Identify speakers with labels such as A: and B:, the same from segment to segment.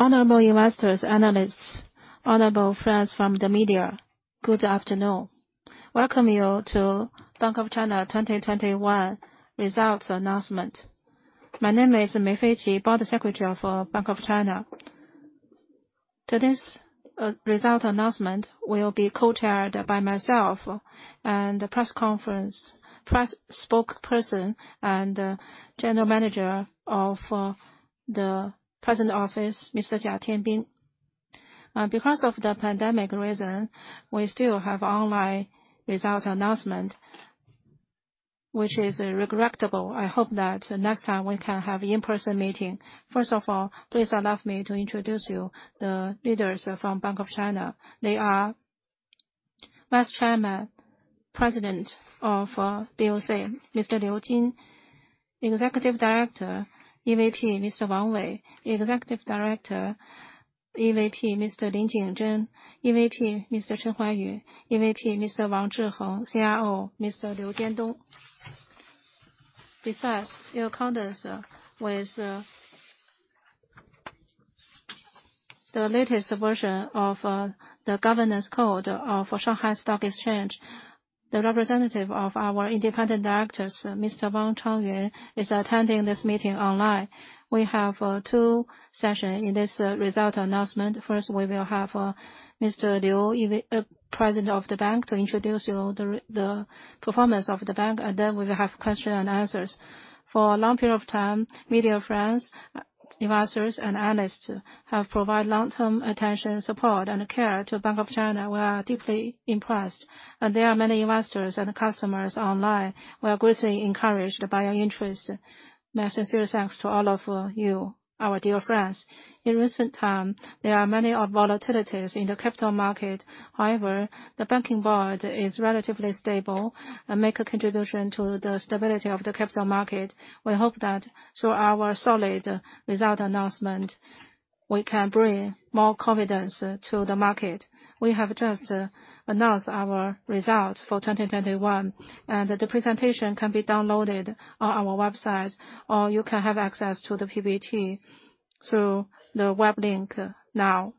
A: Honorable investors, analysts, honorable friends from the media, good afternoon. Welcome you to Bank of China 2021 results announcement. My name is Mei Feiqi, board secretary for Bank of China. Today's result announcement will be co-chaired by myself and the press conference, press spokesperson and general manager of the present office, Mr. Jia Tianbing. Because of the pandemic reason, we still have online results announcement, which is regrettable. I hope that next time we can have in-person meeting. First of all, please allow me to introduce you the leaders from Bank of China. They are Vice Chairman President of BOC, Mr. Liu Jin, Executive Director, EVP Mr. Wang Wei, Executive Director, EVP Mr. Lin Jingzhen, EVP Mr. Chen Huaiyu, EVP Mr. Wang Zhiheng, CIO Mr. Liu Jiandong. In accordance with the latest version of the governance code of Shanghai Stock Exchange, the representative of our independent directors, Mr. Wang Changyun, is attending this meeting online. We have two sessions in this result announcement. First, we will have Mr. Liu, President of the bank to introduce you the performance of the bank, and then we will have question and answers. For a long period of time, media friends, investors and analysts have provided long-term attention, support, and care to Bank of China. We are deeply impressed. There are many investors and customers online. We are greatly encouraged by your interest. My sincere thanks to all of you, our dear friends. In recent time, there are many volatilities in the capital market. However, the banking board is relatively stable and make a contribution to the stability of the capital market. We hope that through our solid result announcement, we can bring more confidence to the market. We have just announced our results for 2021, and the presentation can be downloaded on our website, or you can have access to the PPT through the web link now.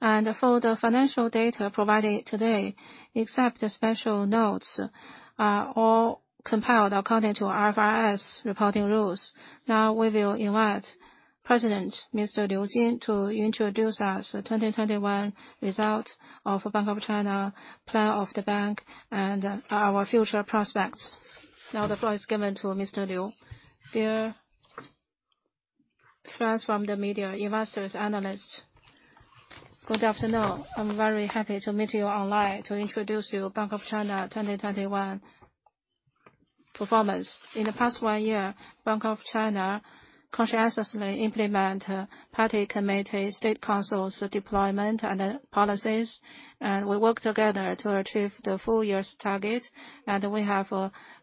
A: And for the financial data provided today, except the special notes, are all compiled according to IFRS reporting rules. Now we will invite President Liu Jin to introduce to us the 2021 result of Bank of China, plan of the bank, and our future prospects. Now the floor is given to Mr. Liu. Dear friends from the media, investors, analysts, good afternoon. I'm very happy to meet you online to introduce to you Bank of China 2021 performance. In the past one year, Bank of China conscientiously implement Party Committee State Council's deployment and policies. And we work together to achieve the full year's target. We have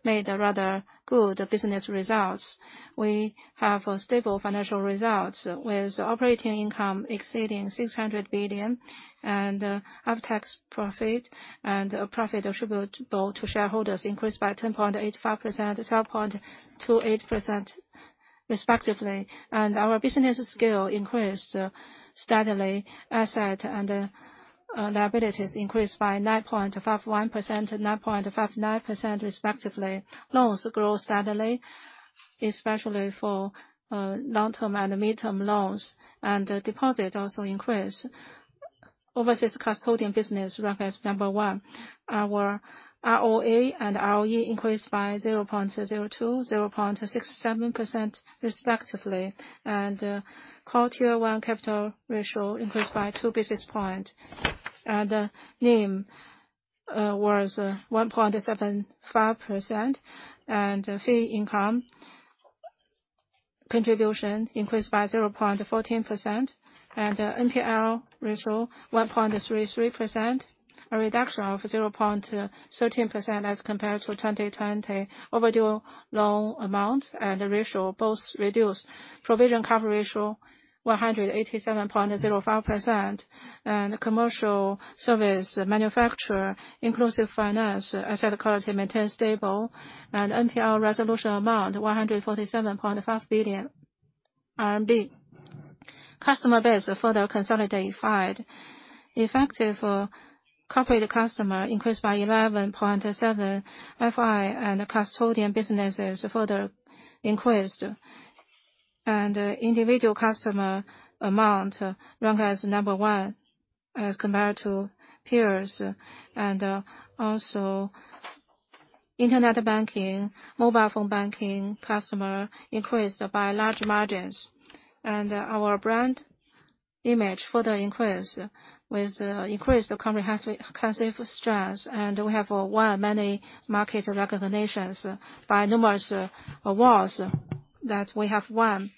A: made a rather good business results. We have a stable financial results with operating income exceeding 600 billion and after-tax profit and profit attributable to shareholders increased by 10.85%, 12.28% respectively. Our business scale increased steadily. Assets and liabilities increased by 9.51% and 9.59% respectively. Loans grow steadily, especially for long-term and mid-term loans. Deposits also increased. Overseas custodian business ranked as number one. Our ROA and ROE increased by 0.02% to 0.67% respectively. Core Tier 1 capital ratio increased by two basis points. The NIM was 1.75%. And the fee income contribution increased by 0.14%. NPL ratio 1.33%, a reduction of 0.13% as compared to 2020. Overdue loan amount and ratio both reduced. Provision cover ratio 187.05%. Commercial service manufacturer inclusive finance asset quality maintained stable. And NPL resolution amount 147.5 billion RMB. Customer base further consolidated. Effective corporate customer increased by 11.7%. FI and custodian businesses further increased. Individual customer amount ranked as number one as compared to peers. And also, internet banking, mobile phone banking customer increased by large margins. Our brand image further increased with increased comprehensive strength. We have won many market recognitions by numerous awards that we have won.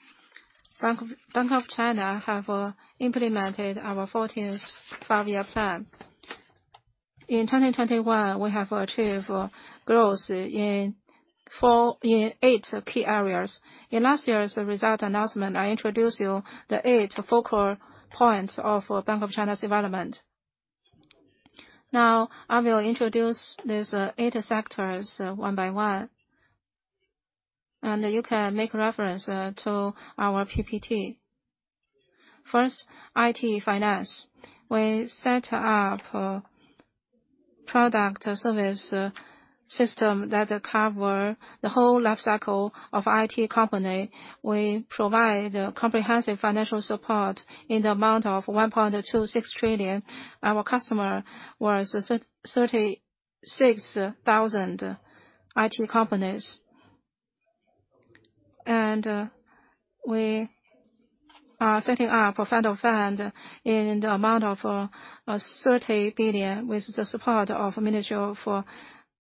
A: Bank of China have implemented our 14th Five-Year Plan. In 2021, we have achieved growth in eight key areas. In last year's result announcement, I introduced to you the eight focal points of Bank of China's development. Now I will introduce these eight sectors one by one, and you can make reference to our PPT. First, IT finance. We set up a product service system that cover the whole life cycle of IT company. We provide comprehensive financial support in the amount of 1.26 trillion. Our customer was 36,000 IT companies. And we are setting up a federal fund in the amount of 30 billion with the support of Ministry of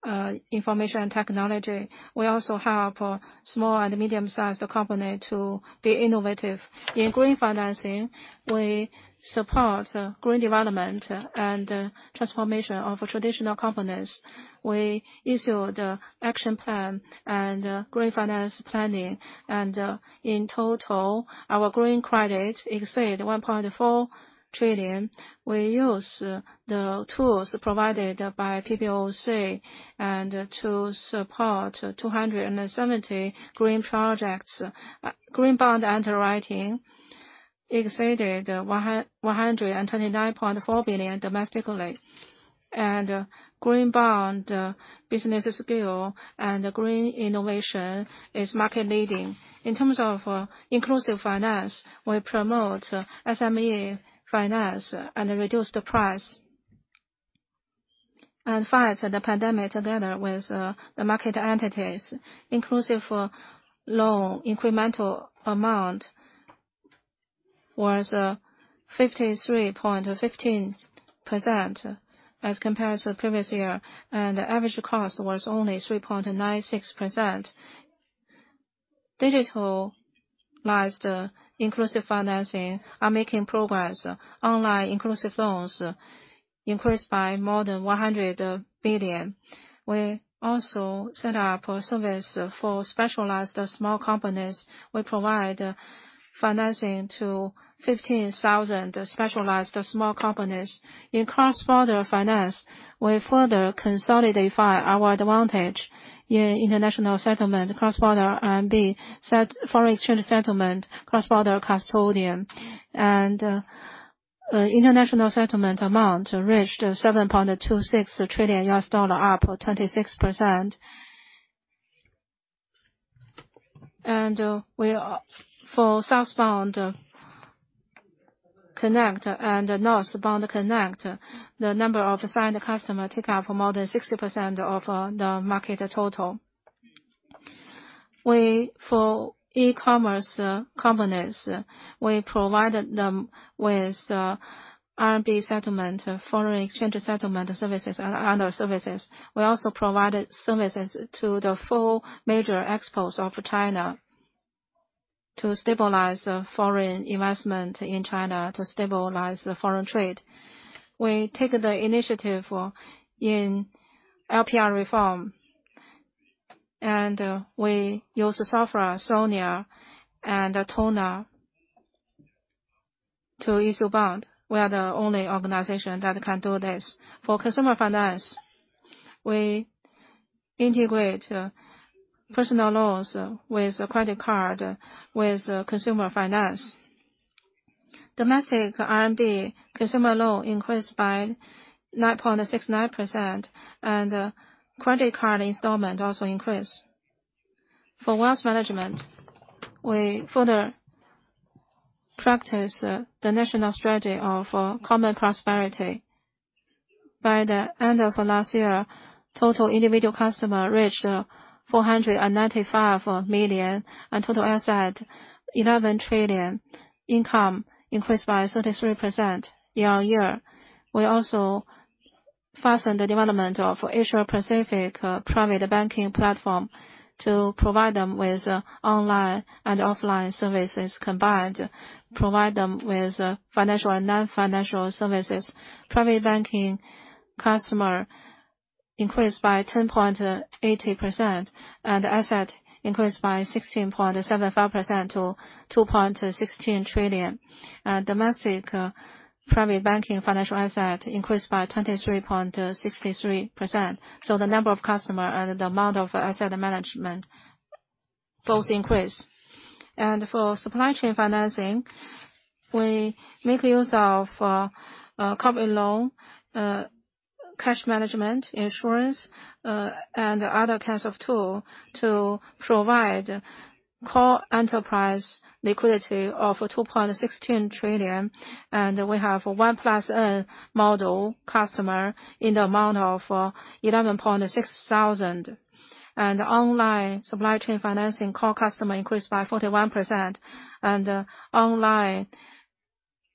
A: Industry and Information Technology. We also help small and medium-sized company to be innovative. In green financing, we support green development and transformation of traditional components. We issue the action plan and green finance planning. In total, our green credit exceed 1.4 trillion. We use the tools provided by PBOC and to support 270 green projects. Green bond underwriting exceeded 129.4 billion domestically. And Green bond business scale and green innovation is market leading. In terms of inclusive finance, we promote SME finance and reduce the price, and fight the pandemic together with the market entities. Inclusive loan incremental amount was 53.15% as compared to the previous year, and the average cost was only 3.96%. Digitalized inclusive financing are making progress. Online inclusive loans increased by more than 100 billion. We also set up a service for specialized small companies. We provide financing to 15,000 specialized small companies. In cross-border finance, we further consolidate our advantage in international settlement, cross-border RMB settlement, foreign exchange settlement, cross-border custodian. International settlement amount reached $7.26 trillion, up 26%. For Southbound Connect and Northbound Connect, the number of assigned customers takes up more than 60% of the market total. For e-commerce companies, we provided them with RMB settlement, foreign exchange settlement services, and other services. We also provided services to the four major exporters of China to stabilize the foreign investment in China, to stabilize the foreign trade. We take the initiative in LPR reform, and we use SONIA and TONA to issue bond. We are the only organization that can do this. For consumer finance, we integrate personal loans with credit card with consumer finance. Domestic RMB consumer loan increased by 9.69%, and credit card installment also increased. For wealth management, we further practice the national strategy of common prosperity. By the end of last year, total individual customer reached 495 million, and total asset 11 trillion. Income increased by 33% year-over-year. We also fostered the development of Asia Pacific private banking platform to provide them with online and offline services combined, provide them with financial and non-financial services. Private banking customer increased by 10.80%, and asset increased by 16.75% to 2.16 trillion. And domestic private banking financial asset increased by 23.63%. The number of customer and the amount of asset management both increased. For supply chain financing, we make use of corporate loan, cash management, insurance, and other kinds of tool to provide core enterprise liquidity of 2.16 trillion. We have one-plus-N model customer in the amount of 11,600. Online supply chain financing core customer increased by 41%. Online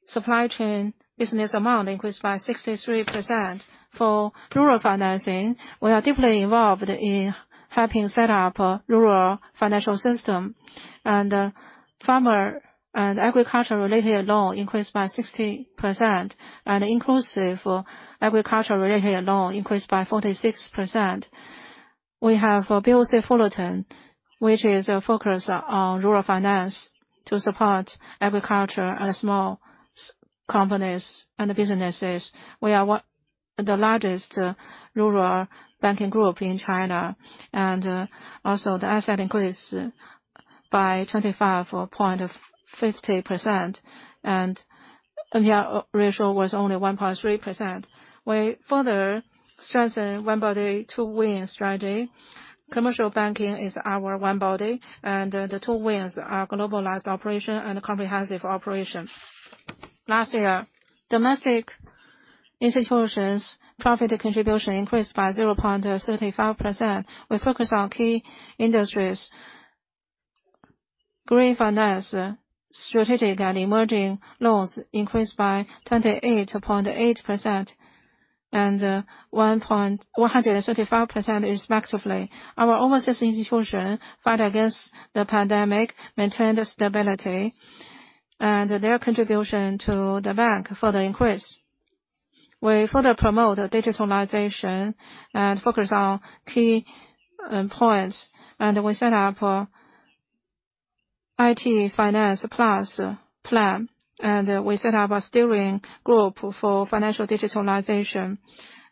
A: supply chain business amount increased by 63%. For rural financing, we are deeply involved in helping set up rural financial system. Farmer and agriculture related loan increased by 60%. Inclusive agriculture related loan increased by 46%. We have BOC Fullerton, which is a focus on rural finance to support agriculture and small companies and businesses. We are one of the largest rural banking group in China, and also the asset increase by 25.50% and NPL ratio was only 1.3%. We further strengthen One Body with Two Wings strategy. Commercial banking is our one body, and the two wings are globalized operation and comprehensive operation. Last year, domestic institutions profit contribution increased by 0.35%. We focus on key industries. Green finance strategic and emerging loans increased by 28.8% and 135% respectively. Our overseas institution fought against the pandemic, maintained stability and their contribution to the bank further increased. We further promote digitalization and focus on key points, and we set up IT finance plus plan, and we set up a steering group for financial digitalization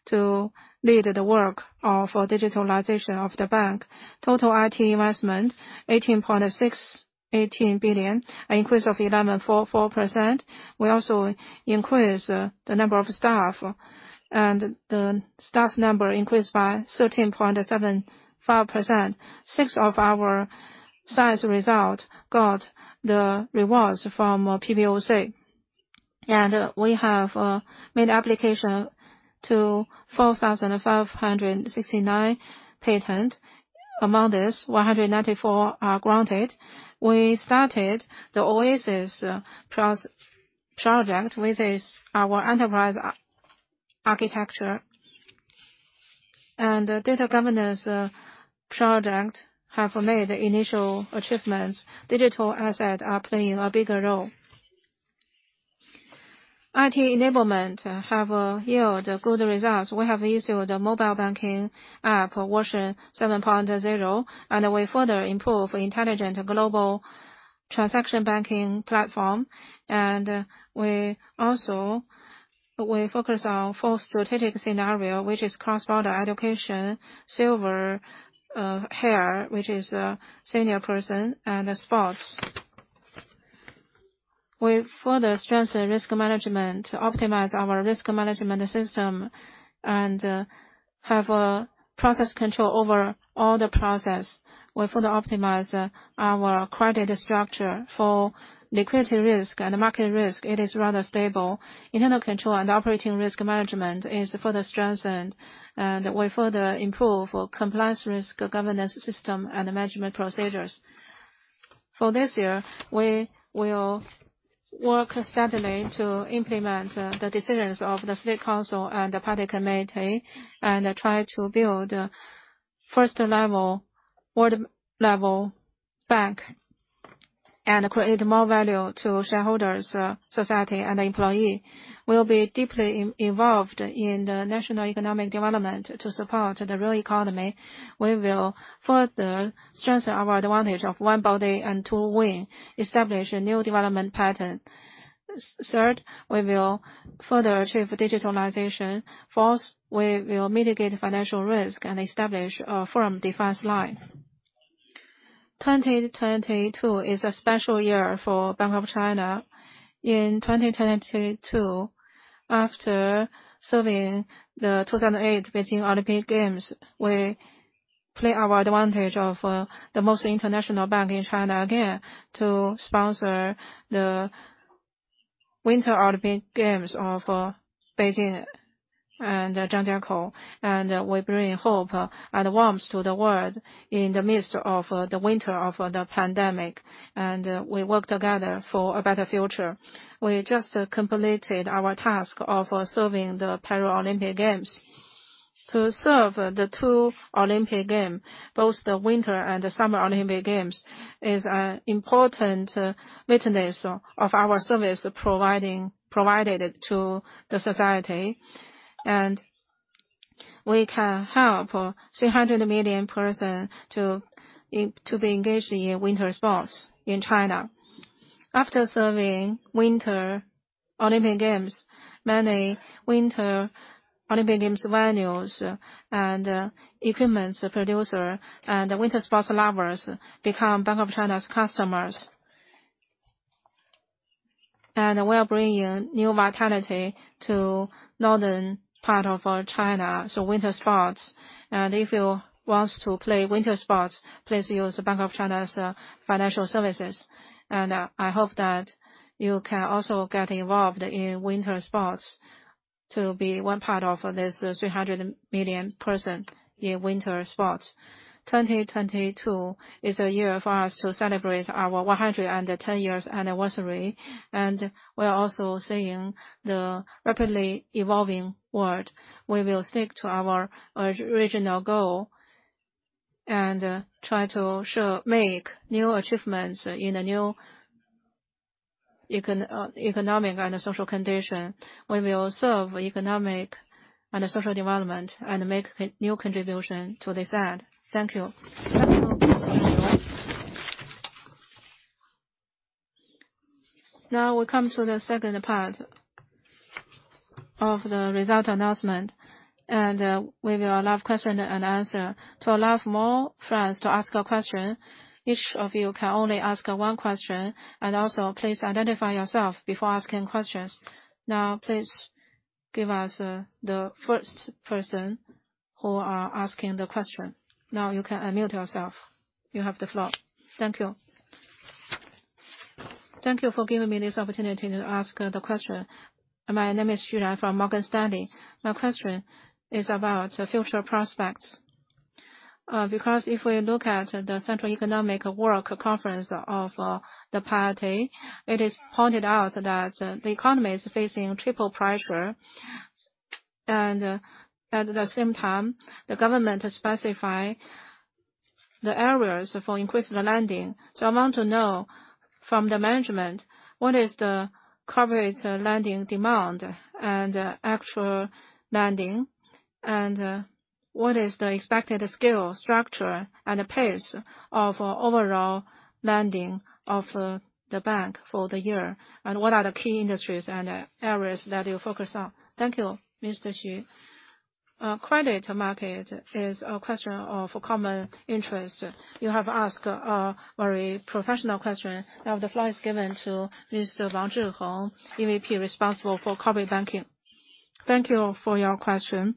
A: to lead the work of digitalization of the bank. Total IT investment 18 billion, an increase of 11.4%. We also increase the number of staff, and the staff number increased by 13.75%. Six of our science results got the rewards from PBOC. And we have made application to 4,569 patents. Among this, 194 are granted. We started the OASIS project, which is our enterprise architecture and data governance project, and have made initial achievements. Digital assets are playing a bigger role. IT enablement have yield good results. We have issued a mobile banking app, version 7.0, and we further improve intelligent global transaction banking platform. And we also, we focus on four strategic scenarios, which is cross-border education, silver hair, which is a senior person, and sports. We further strengthen risk management to optimize our risk management system and have a process control over all the process. We further optimize our credit structure for liquidity risk and market risk. It is rather stable. Internal control and operating risk management is further strengthened, and we further improve our compliance risk governance system and management procedures. For this year, we will work steadily to implement the decisions of the State Council and the Party Committee and try to build first-class world-class bank and create more value to shareholders, society and employee. We'll be deeply involved in the national economic development to support the real economy. We will further strengthen our advantage of One Body and Two Wings, establish a new development pattern. Third, we will further achieve digitalization. Fourth, we will mitigate financial risk and establish a firm defense line. 2022 is a special year for Bank of China. In 2022, after serving the 2008 Beijing Olympic Games, we play our advantage of the most international bank in China again to sponsor the Winter Olympic Games of Beijing and Zhangjiakou, and we bring hope and warmth to the world in the midst of the winter of the pandemic, and we work together for a better future. We just completed our task of serving the Paralympic Games. To serve the two Olympic Games, both the Winter and the Summer Olympic Games, is an important witness of our service provided to the society. We can help 300 million people to be engaged in winter sports in China. After serving Winter Olympic Games, many Winter Olympic Games venues and equipment producers and winter sports lovers become Bank of China's customers. We are bringing new vitality to northern part of China, so winter sports. And if you want to play winter sports, please use Bank of China's financial services. I hope that you can also get involved in winter sports to be one part of this 300 million people in winter sports. 2022 is a year for us to celebrate our 110 years anniversary, and we are also seeing the rapidly evolving world. We will stick to our original goal and try to make new achievements in the new Economic and social condition. We will serve economic and social development and make a new contribution to this end. Thank you. Now we come to the second part of the result announcement, and we will have question and answer. To allow more friends to ask a question, each of you can only ask one question, and also please identify yourself before asking questions. Now please give us the first person who are asking the question. Now you can unmute yourself. You have the floor. Thank you. Thank you for giving me this opportunity to ask the question. My name is Shira from Morgan Stanley. My question is about future prospects. Because if we look at the Central Economic Work Conference of the Party, it is pointed out that the economy is facing triple pressure. And at the same time, the government has specified the areas for increasing the lending. I want to know from the management, what is the corporate lending demand and actual lending, and what is the expected scale, structure, and pace of overall lending of the bank for the year, and what are the key industries and areas that you focus on? Thank you. Mr. Xu. Credit market is a question of common interest. You have asked a very professional question. Now the floor is given to Wang Zhiheng, EVP responsible for corporate banking. Thank you for your question.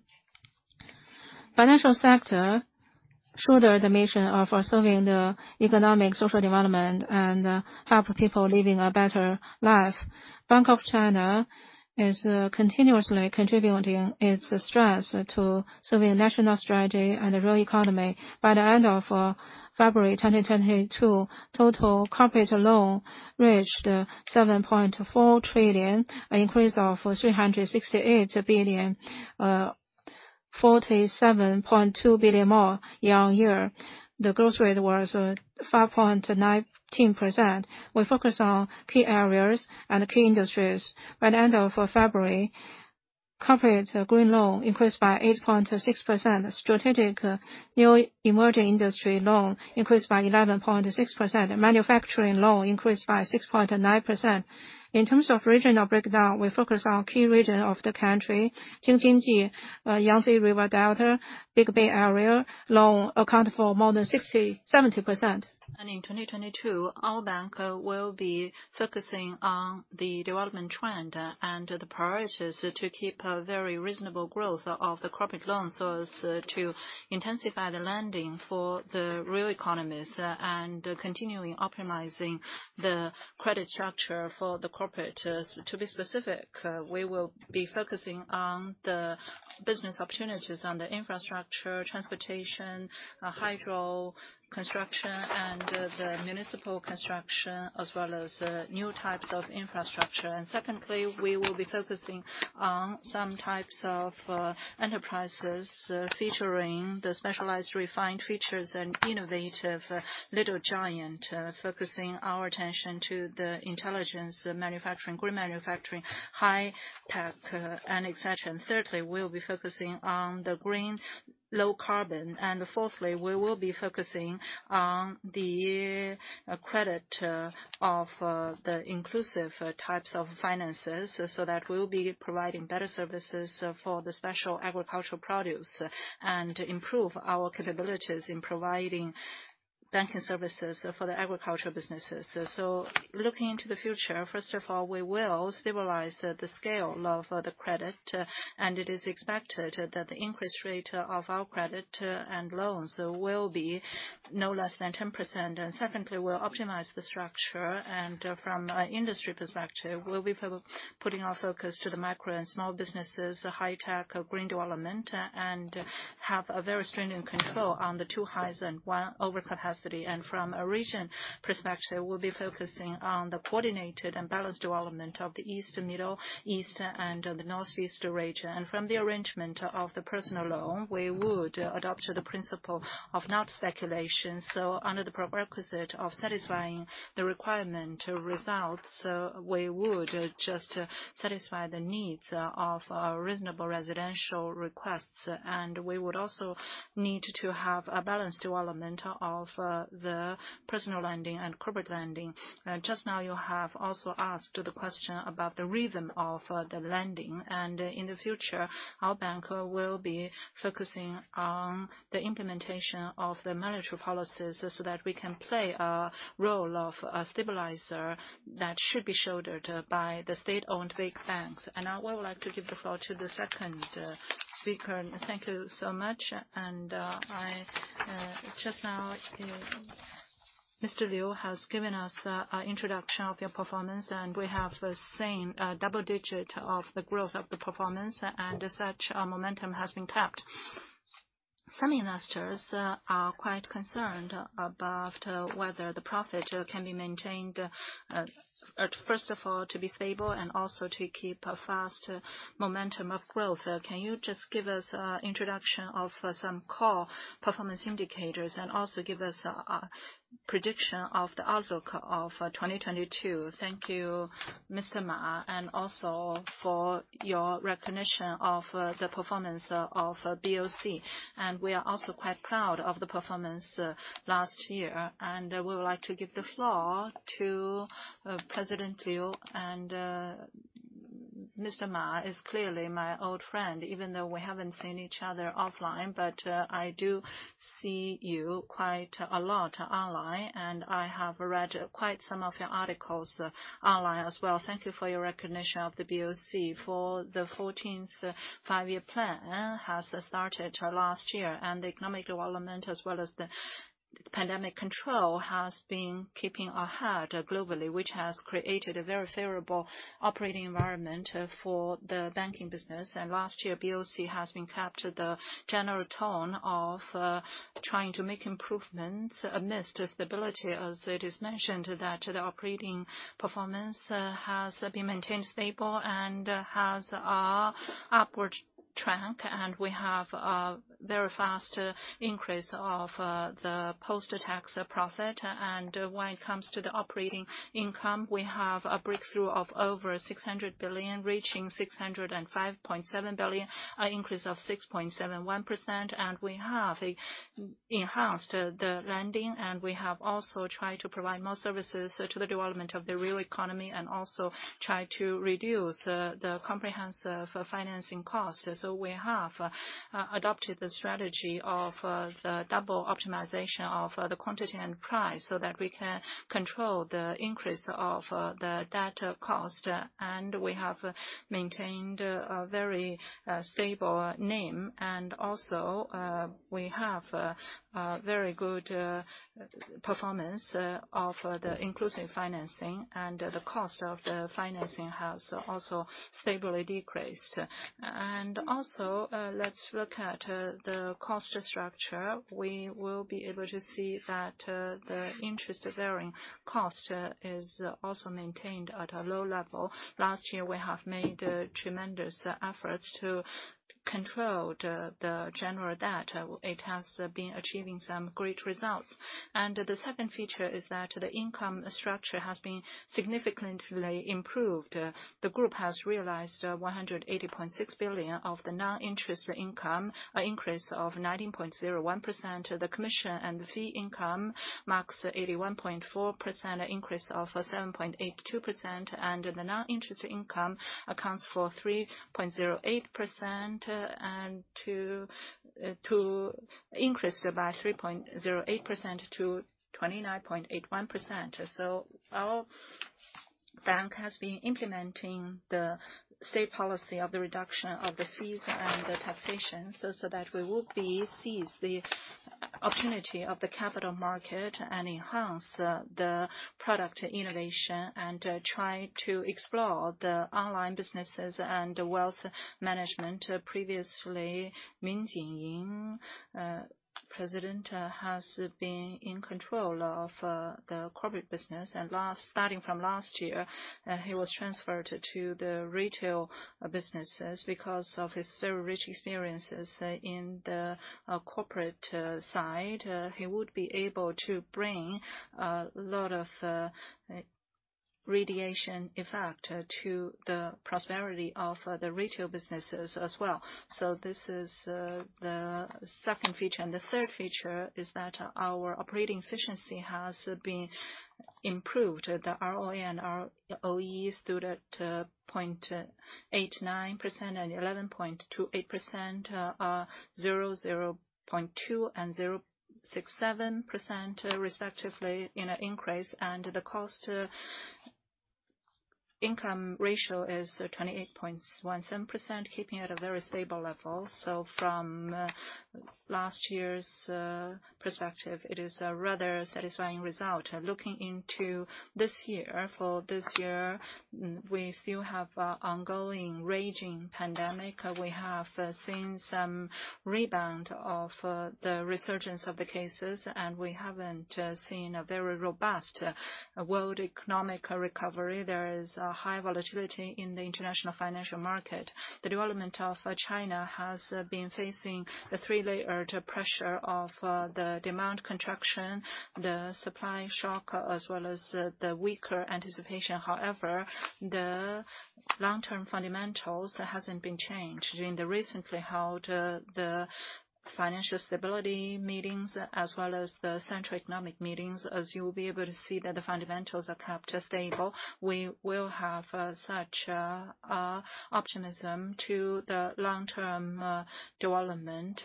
A: Financial sector shoulder the mission of serving the economic, social development and help people living a better life. Bank of China is continuously contributing its strengths to serving the national strategy and the real economy. By the end of February 2022, total corporate loan reached 7.4 trillion, an increase of 368 billion, 47.2 billion more year-on-year. The growth rate was 5.19%. We focus on key areas and key industries. By the end of February, corporate green loan increased by 8.6%. Strategic new emerging industry loan increased by 11.6%. Manufacturing loan increased by 6.9%. In terms of regional breakdown, we focus on key region of the country. Jing-Jin-Ji, Yangtze River Delta, Greater Bay Area, loans account for more than 60-70%. In 2022, our bank will be focusing on the development trend and the priorities to keep a very reasonable growth of the corporate loans so as to intensify the lending for the real economies and continuing optimizing the credit structure for the corporate. To be specific, we will be focusing on the business opportunities on the infrastructure, transportation, hydro construction, and the municipal construction, as well as, new types of infrastructure. Secondly, we will be focusing on some types of, enterprises featuring the specialized refined features and innovative little giant, focusing our attention to the intelligence manufacturing, green manufacturing, high-tech, and et cetera. Thirdly, we'll be focusing on the green low carbon. Fourthly, we will be focusing on the credit of the inclusive types of finances, so that we'll be providing better services for the special agricultural produce and improve our capabilities in providing banking services for the agriculture businesses. So looking into the future, first of all, we will stabilize the scale of the credit, and it is expected that the interest rate of our credit and loans will be no less than 10%. Secondly, we'll optimize the structure. From an industry perspective, we'll be putting our focus to the micro and small businesses, high tech, green development, and have a very stringent control on the two highs and one overcapacity. From a region perspective, we'll be focusing on the coordinated and balanced development of the east, middle, west, and the northeast region. From the arrangement of the personal loan, we would adopt the principle of not speculation. Under the prerequisite of satisfying the requirement results, we would just satisfy the needs of reasonable residential requests. We would also need to have a balanced development of the personal lending and corporate lending. Just now you have also asked the question about the rhythm of the lending. In the future, our bank will be focusing on the implementation of the monetary policies so that we can play a role of a stabilizer that should be shouldered by the state-owned big banks. Now I would like to give the floor to the second speaker. Thank you so much. And I just now Mr. Liu has given us an introduction of your performance, and we have the same double-digit growth of the performance, and as such, our momentum has been kept. Some investors are quite concerned about whether the profit can be maintained, first of all, to be stable and also to keep a fast momentum of growth. Can you just give us introduction of some core performance indicators and also give us Prediction of the outlook of 2022. Thank you, Mr. Ma, and also for your recognition of the performance of BOC. We are also quite proud of the performance last year, and we would like to give the floor to President Liu. Mr. Ma is clearly my old friend, even though we haven't seen each other offline. I do see you quite a lot online, and I have read quite some of your articles online as well. Thank you for your recognition of the BOC. For the 14th Five-Year Plan has started last year, and the economic development, as well as the pandemic control, has been keeping ahead globally, which has created a very favorable operating environment for the banking business. Last year, BOC has captured the general tone of trying to make improvements amidst stability, as it is mentioned that the operating performance has been maintained stable and has an upward trend. We have a very fast increase of the post-tax profit. When it comes to the operating income, we have a breakthrough of over 600 billion, reaching 605.7 billion, an increase of 6.71%. We have enhanced the lending, and we have also tried to provide more services to the development of the real economy and also try to reduce the comprehensive financing costs. We have adopted the strategy of the double optimization of the quantity and price so that we can control the increase of the debt cost. We have maintained a very stable NIM. We have a very good performance of the inclusive financing, and the cost of the financing has also stably decreased. Let's look at the cost structure. We will be able to see that the interest bearing cost is also maintained at a low level. Last year, we have made tremendous efforts to control the general debt. It has been achieving some great results. And the second feature is that the income structure has been significantly improved. The group has realized 180.6 billion of the non-interest income, an increase of 19.01%. The commission and the fee income marks 81.4 billion, an increase of 7.82%. The non-interest income accounts for 29.81%, and to, an increase of 3.08%. Our bank has been implementing the state policy of the reduction of the fees and the taxation so that we would seize the opportunity of the capital market and enhance the product innovation and try to explore the online businesses and wealth management. Previously, Lin Jingzhen, President, has been in control of the corporate business. Starting from last year, he was transferred to the retail businesses. Because of his very rich experiences in the corporate side, he would be able to bring a lot of radiation effect to the prosperity of the retail businesses as well. So, this is the second feature. The third feature is that our operating efficiency has been improved. The ROA and ROE stood at 0.89% and 11.28%, 0.02 and 0.67% respectively in an increase. The cost-income ratio is 28.17%, keeping at a very stable level. From last year's perspective, it is a rather satisfying result. Looking into this year, we still have an ongoing raging pandemic. We have seen some rebound of the resurgence of the cases, and we haven't seen a very robust world economic recovery. There is a high volatility in the international financial market. The development of China has been facing the three-layer pressure of the demand contraction, the supply shock, as well as the weaker anticipation. However, the long-term fundamentals hasn't been changed. During the recently held financial stability meetings as well as the central economic meetings, as you will be able to see, that the fundamentals are kept stable. We will have such optimism to the long-term development.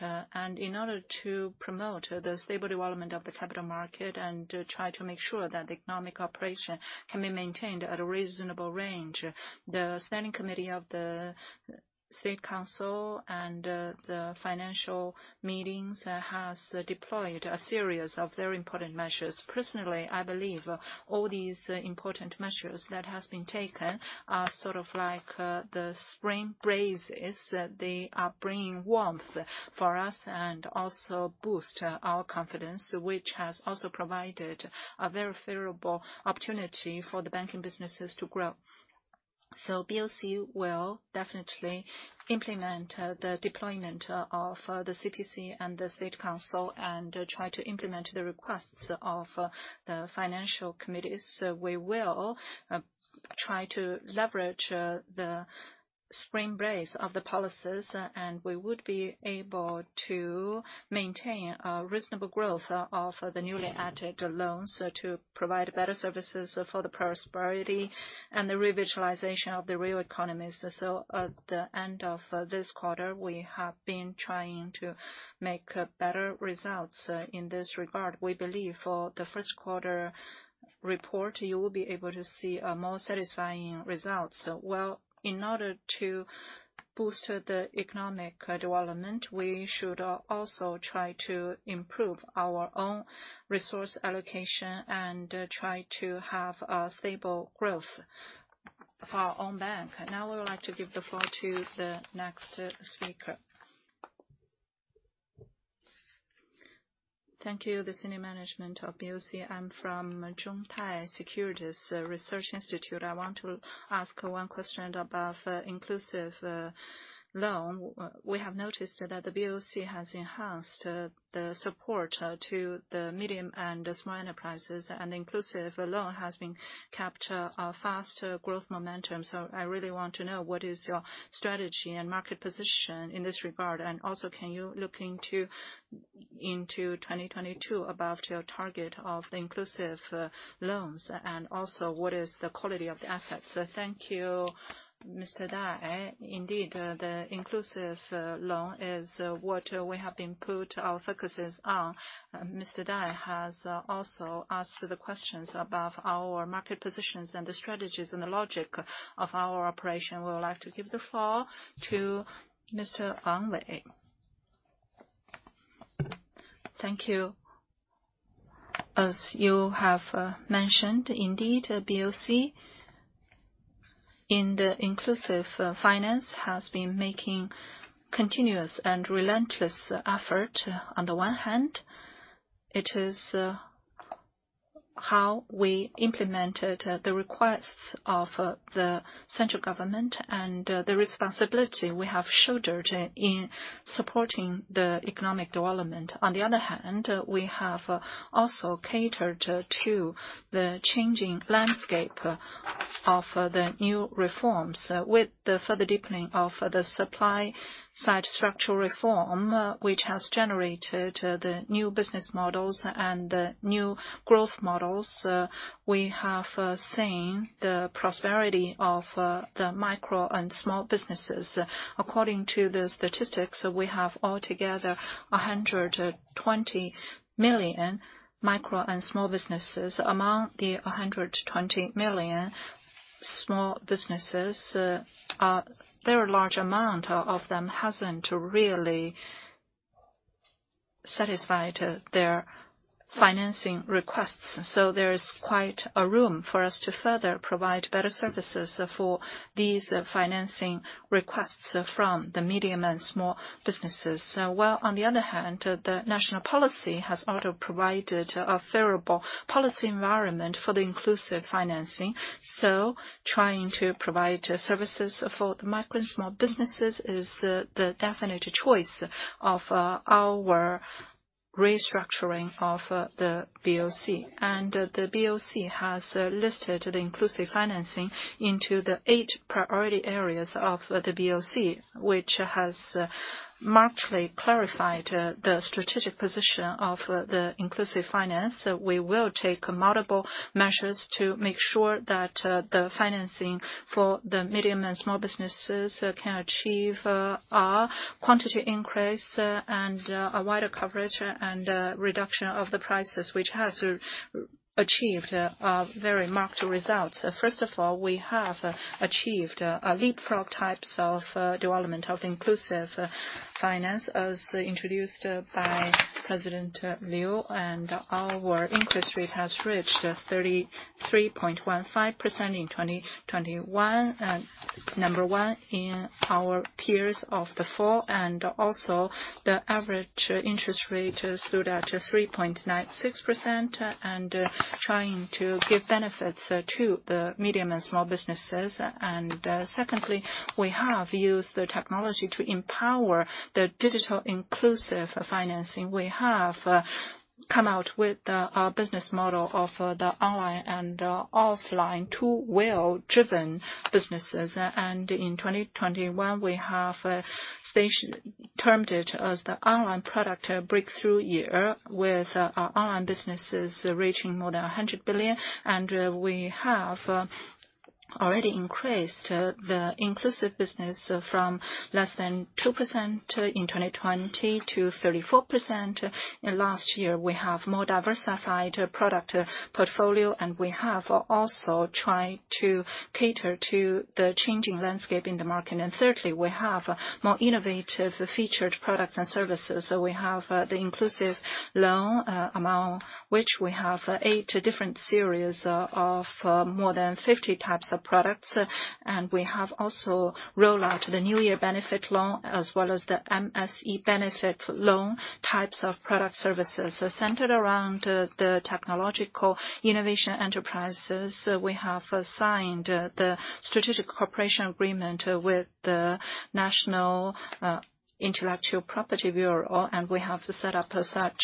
A: In order to promote the stable development of the capital market and to try to make sure that economic operation can be maintained at a reasonable range, the Standing Committee of the State Council and the financial meetings has deployed a series of very important measures. Personally, I believe all these important measures that has been taken are sort of like the spring breezes. Instantly are bringing warmth for us and also boost our confidence, which has also provided a very favorable opportunity for the banking businesses to grow. So, BOC will definitely implement the deployment of the CPC and the State Council and try to implement the requests of the financial committees. We will try to leverage the spring breeze of the policies, and we would be able to maintain a reasonable growth of the newly added loans to provide better services for the prosperity and the revitalization of the real economies. At the end of this quarter, we have been trying to make better results in this regard. We believe for the first quarter report, you will be able to see more satisfying results. Well, in order to boost the economic development, we should also try to improve our own resource allocation and try to have a stable growth for our own bank. Now I would like to give the floor to the next speaker. Thank you. The senior management of BOC. I'm from Zhongtai Securities Research Institute. I want to ask one question about inclusive loan. We have noticed that the BOC has enhanced the support to the medium and the small enterprises, and inclusive loan has been captured a faster growth momentum. So I really want to know what is your strategy and market position in this regard. And also can you look into 2022 about your target of inclusive loans, and also what is the quality of the assets? Thank you, Mr. Dai. Indeed, the inclusive loan is what we have been put our focuses on. Mr. Dai has also asked the questions about our market positions and the strategies and the logic of our operation. We would like to give the floor to Mr. Wang Lei. Thank you. As you have mentioned, indeed, BOC in the inclusive finance has been making continuous and relentless effort. On the one hand, it is how we implemented the requests of the central government and the responsibility we have shouldered in supporting the economic development. On the other hand, we have also catered to the changing landscape of the new reforms with the further deepening of the supply-side structural reform, which has generated the new business models and the new growth models. We have seen the prosperity of the micro and small businesses. According to the statistics, we have altogether 120 million micro and small businesses. Among the 120 million small businesses, a very large amount of them hasn't really satisfied their financing requests. There is quite a room for us to further provide better services for these financing requests from the medium and small businesses. Well, on the other hand, the national policy has also provided a favorable policy environment for the inclusive financing. So, trying to provide services for the micro and small businesses is the definite choice of our restructuring of the BOC. And the BOC has listed the inclusive financing into the eight priority areas of the BOC, which has markedly clarified the strategic position of the inclusive finance. So we will take multiple measures to make sure that the financing for the medium and small businesses can achieve quantity increase and a wider coverage and a reduction of the prices, which has achieved very marked results. First of all, we have achieved a leapfrog types of development of inclusive finance, as introduced by President Liu. And our interest rate has reached 33.15% in 2021, number one in our peers of the four, and also the average interest rate stood at 3.96%, and trying to give benefits to the medium and small businesses. Secondly, we have used the technology to empower the digital inclusive financing. We have come out with a business model of the online and offline two-wheel-driven businesses. In 2021, we have stationed termed it as the online product breakthrough year with our online businesses reaching more than 100 billion. We have already increased the inclusive business from less than 2% in 2020 to 34%. And last year, we have more diversified product portfolio, and we have also tried to cater to the changing landscape in the market. Thirdly, we have more innovative featured products and services. We have the inclusive loan amount, which we have eight different series of more than 50 types of products. We have also rolled out the New Year benefit loan, as well as the SME benefit loan types of product services. Centered around the technological innovation enterprises, we have signed the strategic cooperation agreement with the China National Intellectual Property Administration, and we have set up such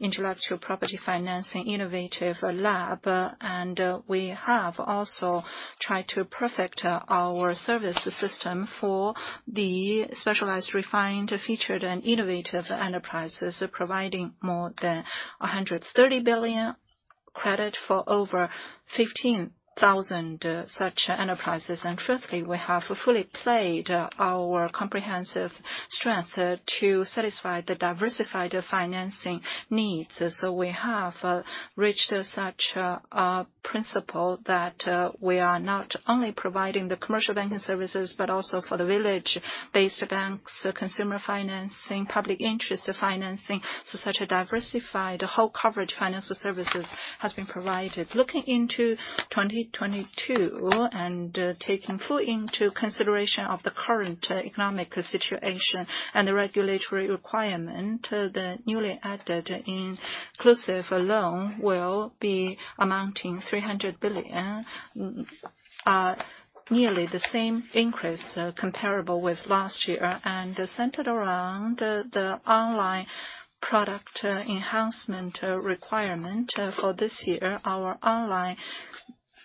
A: intellectual property financing innovative lab. And we have also tried to perfect our service system for the specialized, refined, featured, and innovative enterprises, providing more than 130 billion credit for over 15,000 such enterprises. Fifthly, we have fully played our comprehensive strength to satisfy the diversified financing needs. So we have reached such a principle that we are not only providing the commercial banking services, but also for the village-based banks, consumer financing, public interest financing. Such a diversified whole coverage financial services has been provided. Looking into 2022 and taking full into consideration of the current economic situation and the regulatory requirement, the newly added inclusive loan will be amounting 300 billion, nearly the same increase comparable with last year. Centered around the online product enhancement requirement for this year, our online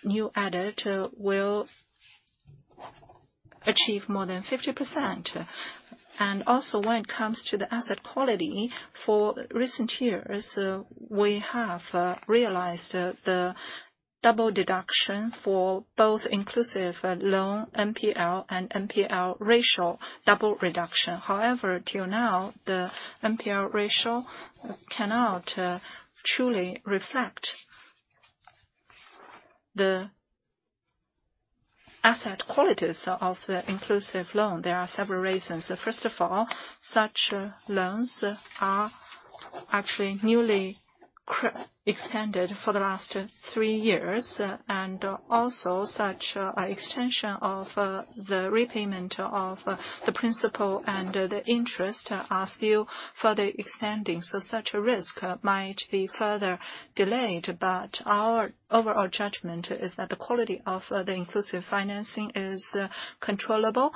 A: new added will achieve more than 50%. Also, when it comes to the asset quality, for recent years, we have realized the double reduction for both inclusive loan NPL and NPL ratio double reduction. However, till now, the NPL ratio cannot truly reflect the asset qualities of the inclusive loan. There are several reasons. First of all, such loans are actually newly expanded for the last three years. Also such expansion of the repayment of the principal and the interest are still further extending. Such a risk might be further delayed. Our overall judgment is that the quality of the inclusive financing is controllable.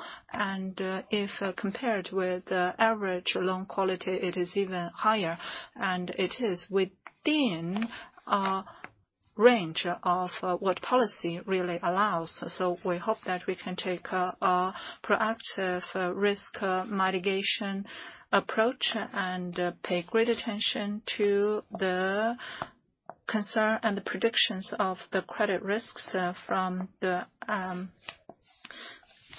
A: If compared with average loan quality, it is even higher, and it is within our range of what policy really allows. We hope that we can take a proactive risk mitigation approach and pay great attention to the concern and the predictions of the credit risks from the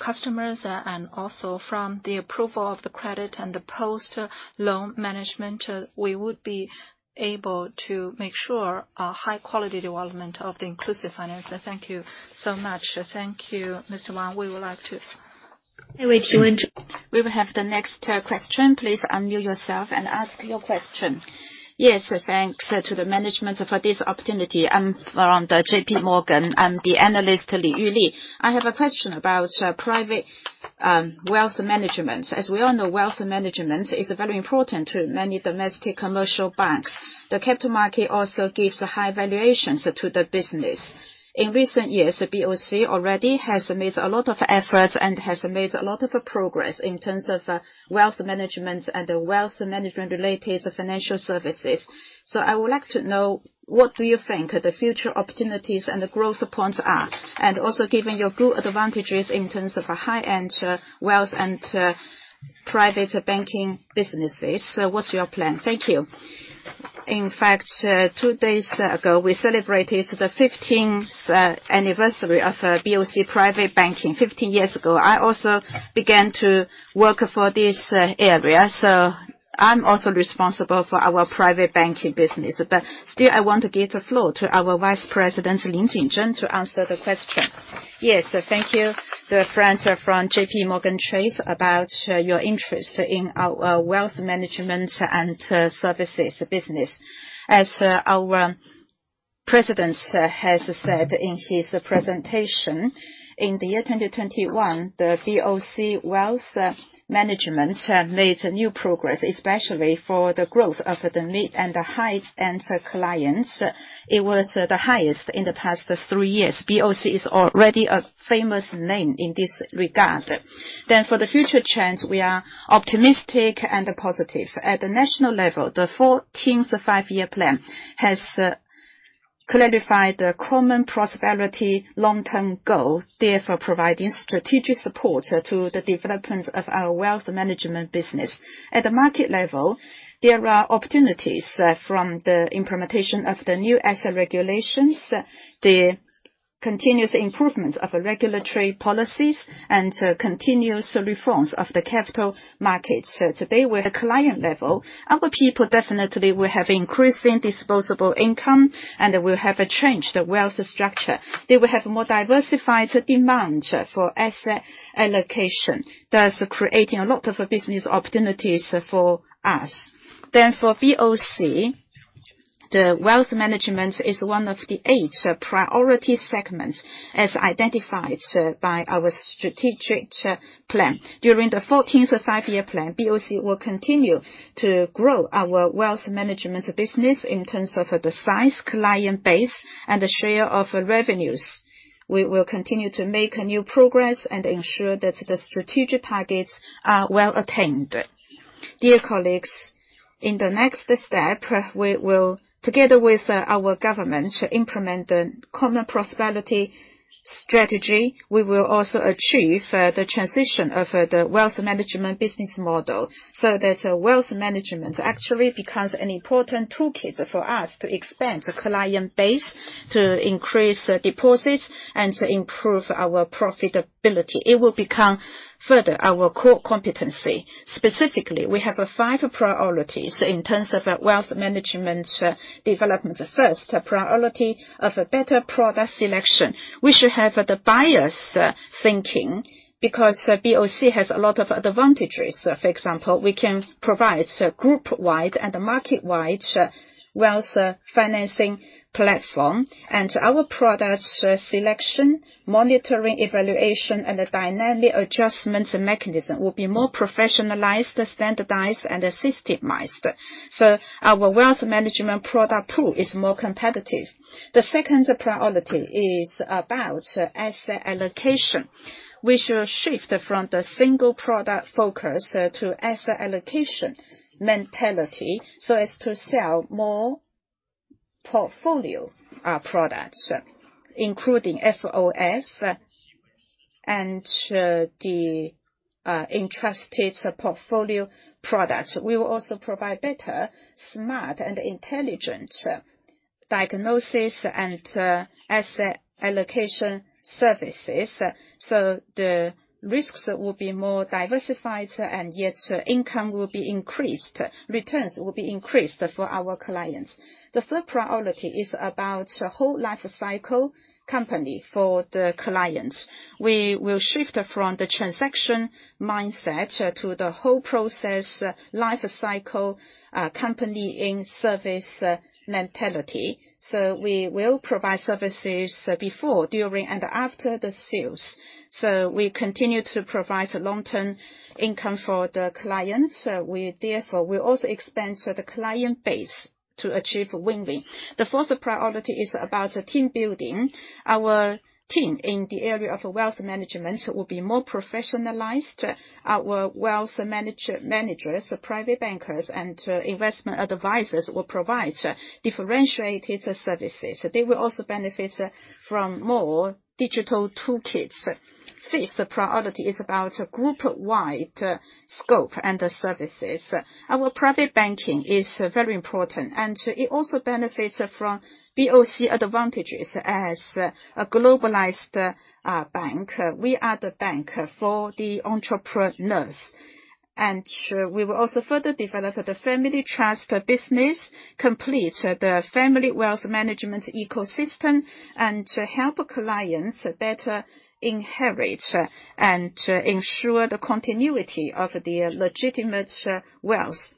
A: customers and also from the approval of the credit and the post-loan management. We would be able to make sure a high-quality development of the inclusive finance. Thank you so much. Thank you, Mr. Wang. We would like to. We will have the next question. Please unmute yourself and ask your question. Yes. Thanks to the management for this opportunity. I'm from the JPMorgan Chase. I'm the analyst, Liyu He. I have a question about private wealth management. As we all know, wealth management is very important to many domestic commercial banks. The capital market also gives high valuations to the business. In recent years, BOC already has made a lot of efforts and has made a lot of progress in terms of wealth management and wealth management related financial services. So, I would like to know, what do you think the future opportunities and the growth points are? And also, given your good advantages in terms of a high-end wealth and private banking businesses, what's your plan? Thank you. In fact, two days ago, we celebrated the fifteenth anniversary of BOC Private Banking. 15 years ago, I also began to work for this area, so I'm also responsible for our private banking business. Still, I want to give the floor to our Vice President, Lin Jingzhen, to answer the question. Yes. Thank you to our friends from JPMorgan Chase about your interest in our wealth management and services business. As our president has said in his presentation, in the year 2021, the BOC wealth management made new progress, especially for the growth of the mid- and high-end clients. It was the highest in the past three years. BOC is already a famous name in this regard. For the future trends, we are optimistic and positive. At the national level, the 14th Five-Year Plan has clarified the common prosperity long-term goal, therefore providing strategic support to the development of our wealth management business. At the market level, there are opportunities from the implementation of the new asset regulations. Continuous improvements of the regulatory policies and continuous reforms of the capital markets. Today, we're at client level. Our people definitely will have increasing disposable income and will have a change in the wealth structure. They will have more diversified demand for asset allocation, thus creating a lot of business opportunities for us. For BOC, the wealth management is one of the eight priority segments as identified by our strategic plan. During the 14th Five-Year Plan, BOC will continue to grow our wealth management business in terms of the size, client base, and the share of revenues. We will continue to make new progress and ensure that the strategic targets are well attained. Dear colleagues, in the next step, we will, together with our government, implement the common prosperity strategy. We will also achieve the transition of the wealth management business model so that wealth management actually becomes an important toolkit for us to expand the client base to increase deposits and to improve our profitability. It will become further our core competency. Specifically, we have five priorities in terms of wealth management development. First priority of a better product selection. We should have the buyers thinking because BOC has a lot of advantages. For example, we can provide group-wide and market-wide wealth financing platform. And our product selection, monitoring, evaluation, and the dynamic adjustment mechanism will be more professionalized, standardized and systematized. Our wealth management product tool is more competitive. The second priority is about asset allocation. We should shift from the single product focus to asset allocation mentality so as to sell more portfolio products, including FOF and entrusted portfolio products. We will also provide better smart and intelligent diagnosis and asset allocation services, so the risks will be more diversified and yet income will be increased. Returns will be increased for our clients. The third priority is about whole life cycle company for the clients. We will shift from the transaction mindset to the whole process life cycle, company in service mentality. We will provide services before, during and after the sales. So, we continue to provide long-term income for the clients. We therefore will also expand the client base to achieve win-win. The fourth priority is about team building. Our team in the area of wealth management will be more professionalized. Our wealth managers, private bankers and investment advisors will provide differentiated services. They will also benefit from more digital toolkits. Fifth priority is about group wide scope and services. Our private banking is very important and it also benefits from BOC advantages as a globalized, bank. We are the bank for the entrepreneurs, and sure we will also further develop the family trust business, complete the family wealth management ecosystem, and to help clients better inherit and ensure the continuity of their legitimate wealth.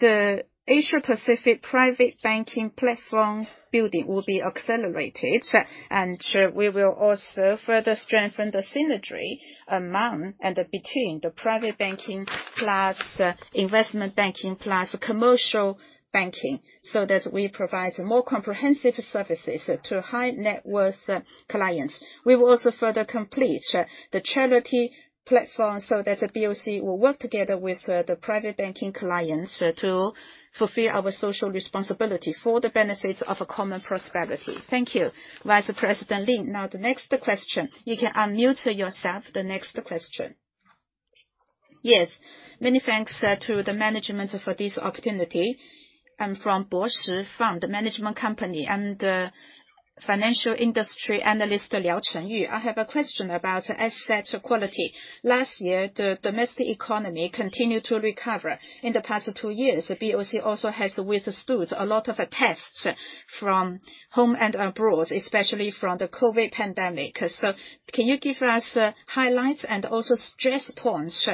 A: The Asia Pacific private banking platform building will be accelerated, and sure we will also further strengthen the synergy among and between the private banking plus investment banking plus commercial banking, so that we provide more comprehensive services to high net worth clients. We will also further complete the charity platform so that BOC will work together with the private banking clients to fulfill our social responsibility for the benefits of a common prosperity. Thank you. Vice President Lin. Now the next question. You can unmute yourself. The next question. Yes, many thanks to the management for this opportunity. I'm from Bosera Fund Management Company. I'm the financial industry analyst, Liao Chenyu. I have a question about asset quality. Last year, the domestic economy continued to recover. In the past two years, BOC also has withstood a lot of tests from home and abroad, especially from the COVID pandemic. Can you give us highlights and also stress points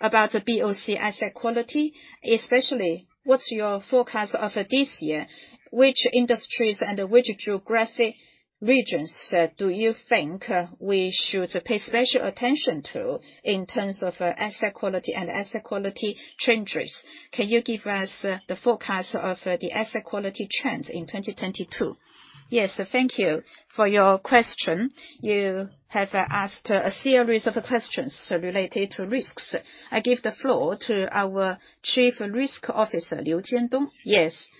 A: about BOC asset quality? Especially, what's your forecast of this year? Which industries and which geographic regions do you think we should pay special attention to in terms of asset quality and asset quality changes? Can you give us the forecast of the asset quality trends in 2022? Yes, thank you for your question. You have asked a series of questions related to risks. I give the floor to our Chief Risk Officer, Liu Jiandong. Yes. Thank you,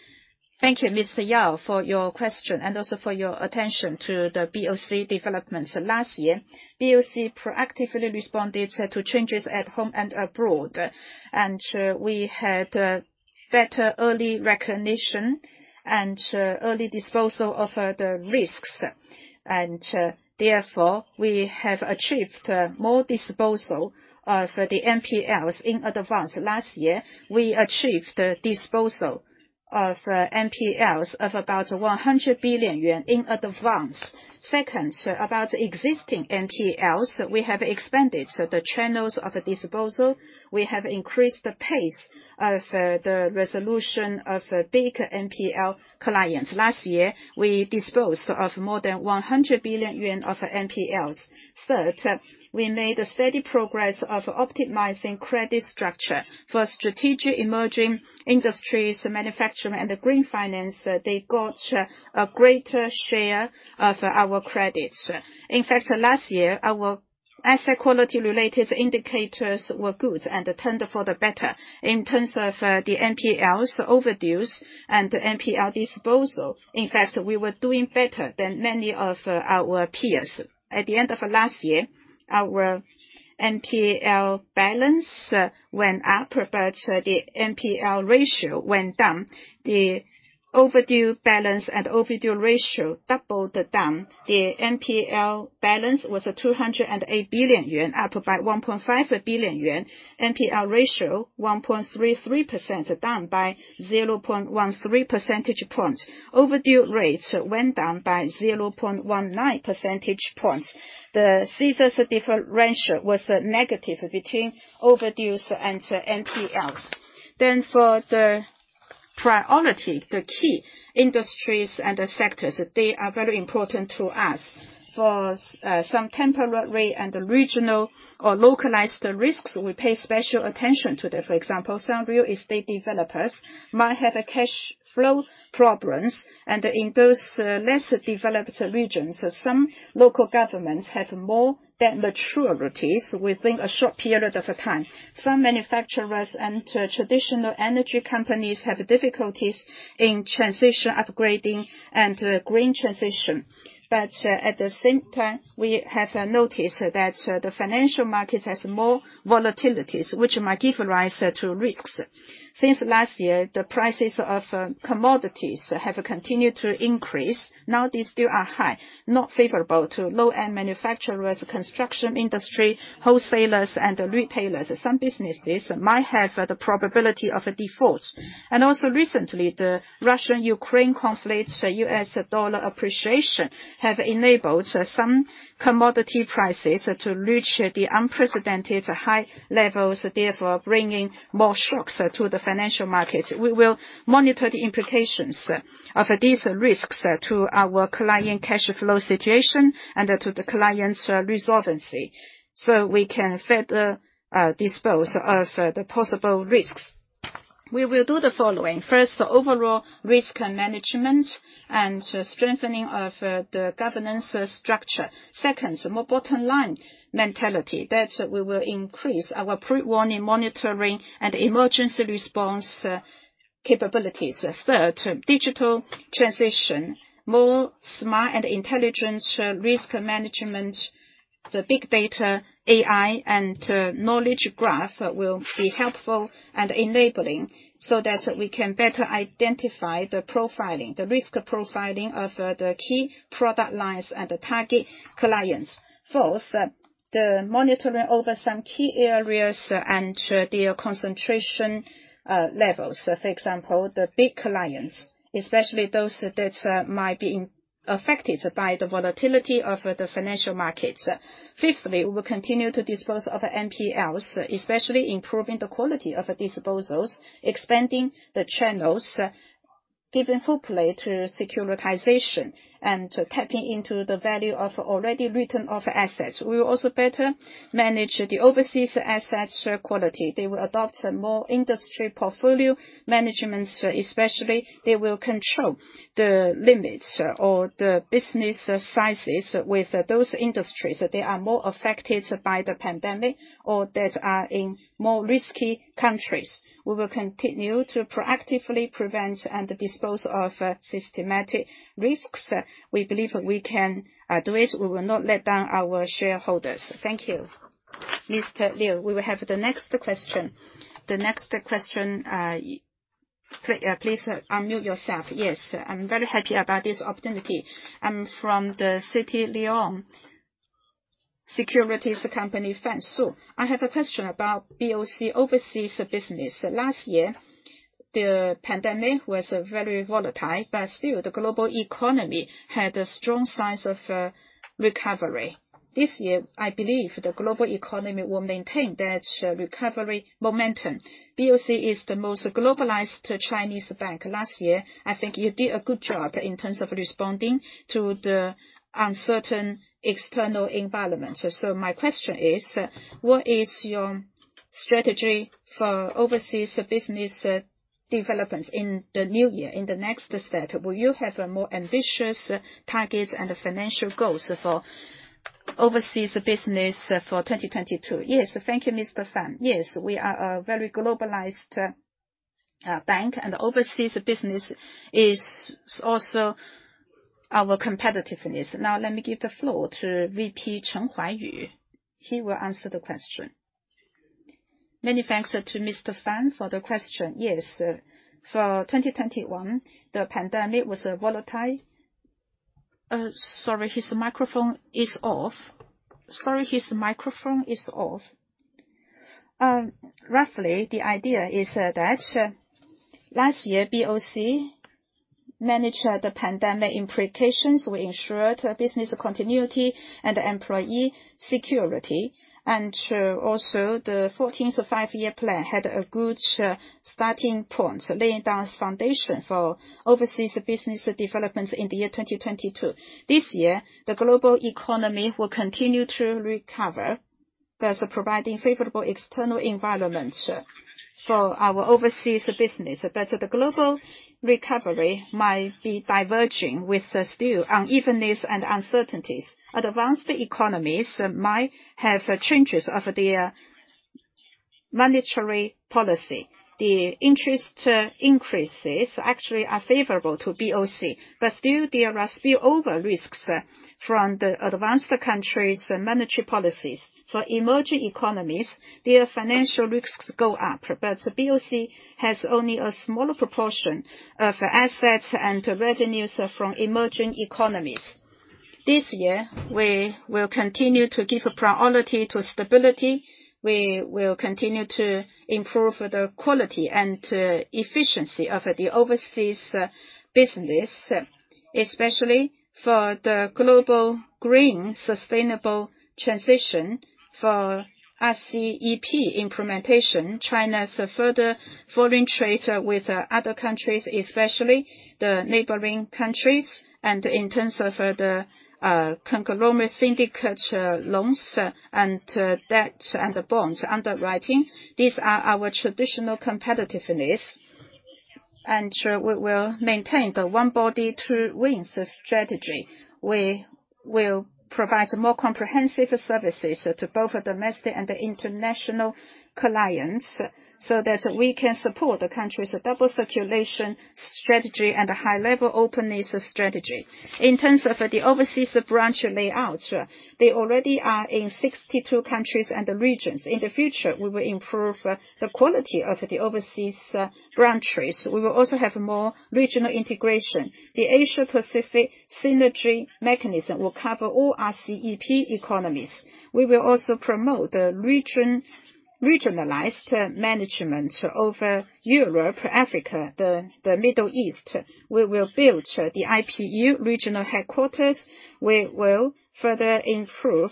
A: Mr. Liao, for your question, and also for your attention to the BOC developments. Last year, BOC proactively responded to changes at home and abroad. And sure we had better early recognition and early disposal of the risks. Therefore, we have achieved more disposal of the NPLs in advance. Last year, we achieved disposal of NPLs of about 100 billion yuan in advance. Second, about existing NPLs, we have expanded the channels of disposal. We have increased the pace of the resolution of big NPL clients. Last year, we disposed of more than 100 billion yuan of NPLs. Third, we made a steady progress of optimizing credit structure for strategic emerging industries, manufacturing and green finance. They got a greater share of our credits. In fact, last year, our asset quality related indicators were good and tended for the better in terms of the NPLs overdues and NPL disposal. In fact, we were doing better than many of our peers. At the end of last year, our NPL balance went up, but the NPL ratio went down. The overdue balance and overdue ratio went down. The NPL balance was 208 billion yuan, up by 1.5 billion yuan. NPL ratio, 1.33%, down by 0.13 percentage points. Overdue rate went down by 0.19 percentage points. The size differential was negative between overdues and NPLs. For the priority, the key industries and the sectors, they are very important to us. For some temporary and regional or localized risks, we pay special attention to them. For example, some real estate developers might have cash flow problems, and in those less developed regions, some local governments have more debt maturities within a short period of time. Some manufacturers and traditional energy companies have difficulties in transition upgrading and green transition. But at the same time, we have noticed that the financial markets has more volatilities, which might give rise to risks. Since last year, the prices of commodities have continued to increase. Now they still are high, not favorable to low-end manufacturers, construction industry, wholesalers, and retailers. Some businesses might have the probability of defaults. Also recently, the Russia-Ukraine conflict, U.S. dollar appreciation have enabled some commodity prices to reach the unprecedented high levels, therefore bringing more shocks to the financial markets. We will monitor the implications of these risks to our client cash flow situation and to the client's resiliency, so we can further dispose of the possible risks. We will do the following. First, overall risk management and strengthening of the governance structure. Second, more bottom line mentality, that we will increase our pre-warning monitoring and emergency response capabilities. Third, digital transition, more smart and intelligent risk management. The big data, AI, and knowledge graph will be helpful and enabling so that we can better identify the profiling, the risk profiling of the key product lines and target clients. Fourth, the monitoring over some key areas and their concentration levels. For example, the big clients, especially those that might be affected by the volatility of the financial markets. Fifthly, we will continue to dispose of NPLs, especially improving the quality of disposals, expanding the channels, giving full play to securitization, and tapping into the value of already written-off assets. We will also better manage the overseas assets quality. They will adopt a more industry portfolio management, especially they will control the limits or the business sizes with those industries that they are more affected by the pandemic or that are in more risky countries. We will continue to proactively prevent and dispose of systemic risks. We believe we can do it. We will not let down our shareholders. Thank you. Mr. Liu, we will have the next question. The next question, please unmute yourself. Yes. I'm very happy about this opportunity. I'm from the CITI CLSA Securities Company, Fan Sun. I have a question about BOC overseas business. Last year, the pandemic was very volatile, but still the global economy had strong signs of recovery. This year, I believe the global economy will maintain that recovery momentum. BOC is the most globalized Chinese bank. Last year, I think you did a good job in terms of responding to the uncertain external environment. My question is, what is your strategy for overseas business development in the new year, in the next step? Will you have more ambitious targets and financial goals for overseas business for 2022. Yes, thank you, Mr. Fan. Yes, we are a very globalized bank and overseas business is also our competitiveness. Now let me give the floor to VP Chen Huaiyu. He will answer the question. Many thanks to Mr. Fan for the question. Yes, for 2021, the pandemic was volatile. Sorry, his microphone is off. Sorry, his microphone is off. Roughly the idea is that last year, BOC managed the pandemic implications. We ensured business continuity and employee security. And sure also, the 14th Five-Year Plan had a good starting point, laying down foundation for overseas business developments in the year 2022. This year, the global economy will continue to recover, thus providing favorable external environment for our overseas business. The global recovery might be diverging with still unevenness and uncertainties. Advanced economies might have changes of their monetary policy. The interest rate increases actually are favorable to BOC, but still there are spillover risks from the advanced countries' monetary policies. For emerging economies, their financial risks go up, but BOC has only a smaller proportion of assets and revenues from emerging economies. This year, we will continue to give priority to stability. We will continue to improve the quality and efficiency of the overseas business, especially for the global green sustainable transition for RCEP implementation, China's further foreign trade with other countries, especially the neighboring countries, and in terms of the conglomerate syndicate loans and debt and bonds underwriting. These are our traditional competitiveness, and we will maintain the One Body with Two Wings strategy. We will provide more comprehensive services to both domestic and international clients so that we can support the country's double circulation strategy and high-level openness strategy. In terms of the overseas branch layout, they already are in 62 countries and regions. In the future, we will improve the quality of the overseas branches. We will also have more regional integration. The Asia-Pacific synergy mechanism will cover all RCEP economies. We will also promote regionalized management over Europe, Africa, the Middle East. We will build the IPU regional headquarters. We will further improve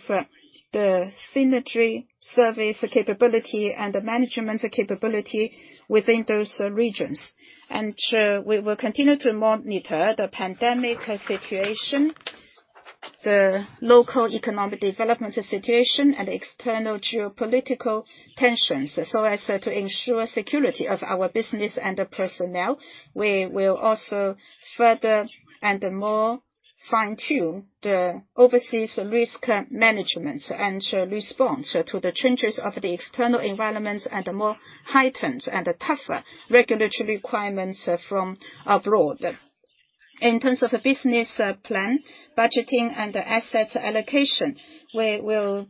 A: the synergy service capability and the management capability within those regions. And so we will continue to monitor the pandemic situation, the local economic development situation, and external geopolitical tensions, so as to ensure security of our business and personnel. We will also further and more fine-tune the overseas risk management and response to the changes of the external environments and more heightened and tougher regulatory requirements from abroad. In terms of business plan, budgeting and asset allocation, we will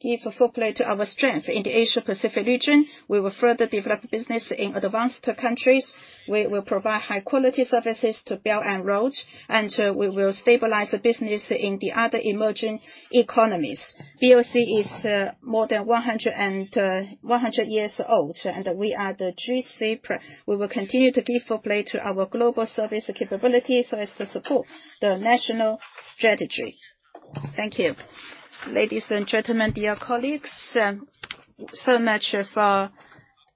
A: give full play to our strength. In the Asia Pacific region, we will further develop business in advanced countries. We will provide high quality services to Belt and Road, and we will stabilize the business in the other emerging economies. BOC is more than 100 years old, and we are the G-SIB. We will continue to give full play to our global service capabilities so as to support the national strategy. Thank you. Ladies and gentlemen, dear colleagues, so much for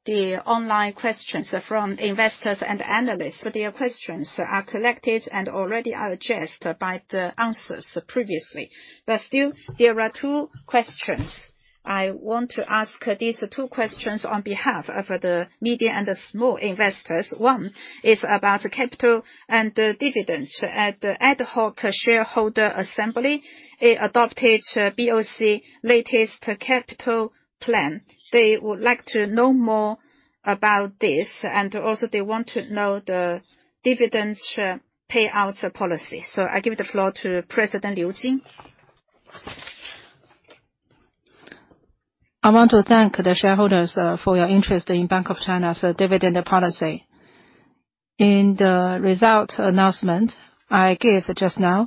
A: the online questions from investors and analysts. Their questions are collected and already addressed by the answers previously. still, there are two questions. I want to ask these two questions on behalf of the medium and the small investors. One is about capital and dividends. At the ad hoc shareholder assembly, it adopted BOC latest capital plan. They would like to know more about this. also they want to know the dividends payout policy. I give the floor to President Liu Jin. I want to thank the shareholders for your interest in Bank of China's dividend policy. In the result announcement I gave just now,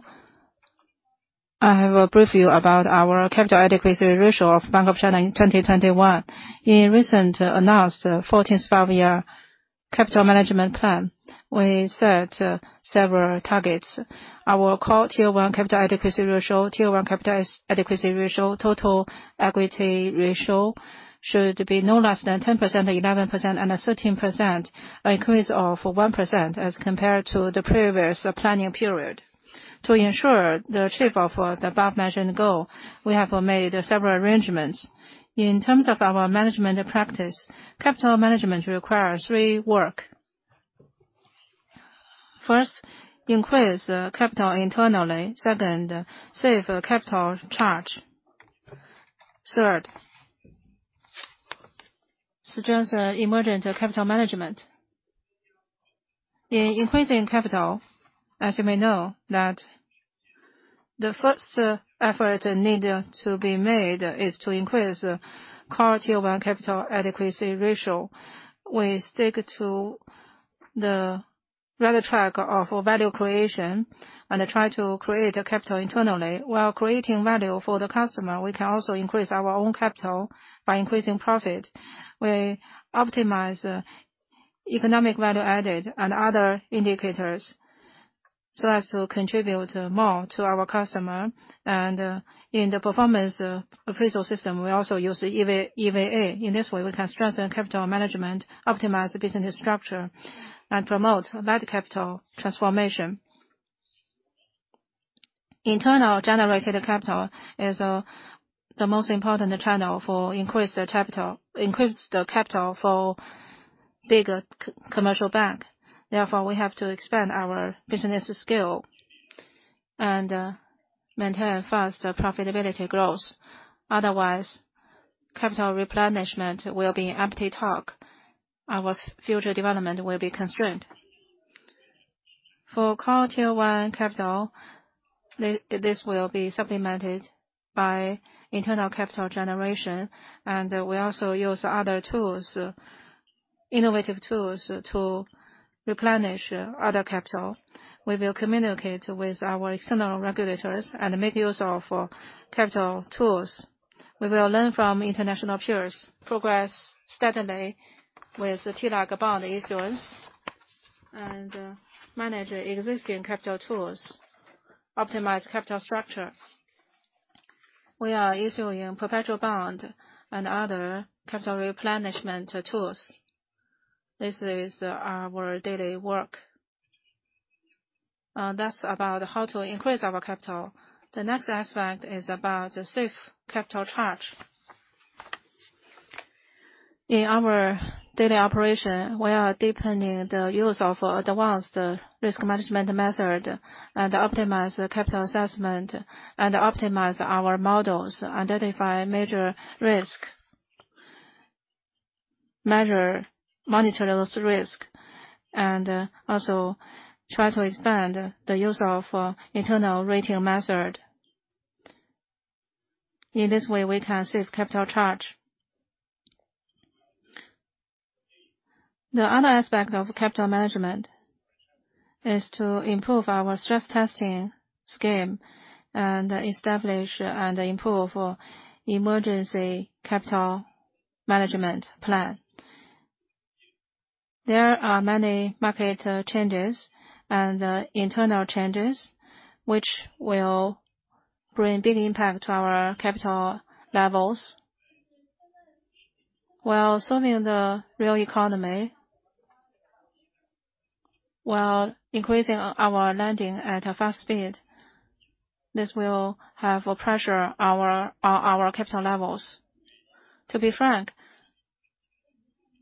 A: I will brief you about our capital adequacy ratio of Bank of China in 2021. In recently announced 14th Five-Year capital management plan, we set several targets. Our core Tier 1 capital adequacy ratio, Tier 1 capital adequacy ratio, total capital adequacy ratio should be no less than 10%, 11%, and 13%, an increase of 1% as compared to the previous planning period. To ensure the achievement of the above mentioned goal, we have made several arrangements. In terms of our management practice, capital management requires three work. First, increase capital internally. Second, save capital charge. Third, strengthen emergency capital management. In increasing capital, as you may know, the first effort needed to be made is to increase Core Tier 1 capital adequacy ratio. We stick to the right track of value creation and try to create capital internally. While creating value for the customer, we can also increase our own capital by increasing profit. We optimize economic value added and other indicators so as to contribute more to our customer. In the performance appraisal system, we also use EVA. In this way, we can strengthen capital management, optimize the business structure, and promote light capital transformation. Internally generated capital is the most important channel for increasing the capital for big commercial bank. Therefore, we have to expand our business scale and maintain faster profitability growth. Otherwise, capital replenishment will be empty talk. Our future development will be constrained. For core Tier 1 capital, this will be supplemented by internal capital generation, and we also use other tools, innovative tools to replenish other capital. We will communicate with our external regulators and make use of capital tools. We will learn from international peers, progress steadily with Tier 1-like bond issuance, and manage existing capital tools, optimize capital structure. We are issuing perpetual bond and other capital replenishment tools. This is our daily work. And that's about how to increase our capital. The next aspect is about saving capital charge. In our daily operation, we are deepening the use of advanced risk management method and optimize the capital assessment and optimize our models, identify major risk, measure, monitor risk, and also try to expand the use of internal rating method. In this way, we can save capital charge. The other aspect of capital management is to improve our stress testing scheme and establish and improve emergency capital management plan. There are many market changes and internal changes which will bring big impact to our capital levels. While serving the real economy, while increasing our lending at a fast speed, this will have pressure our capital levels. To be frank,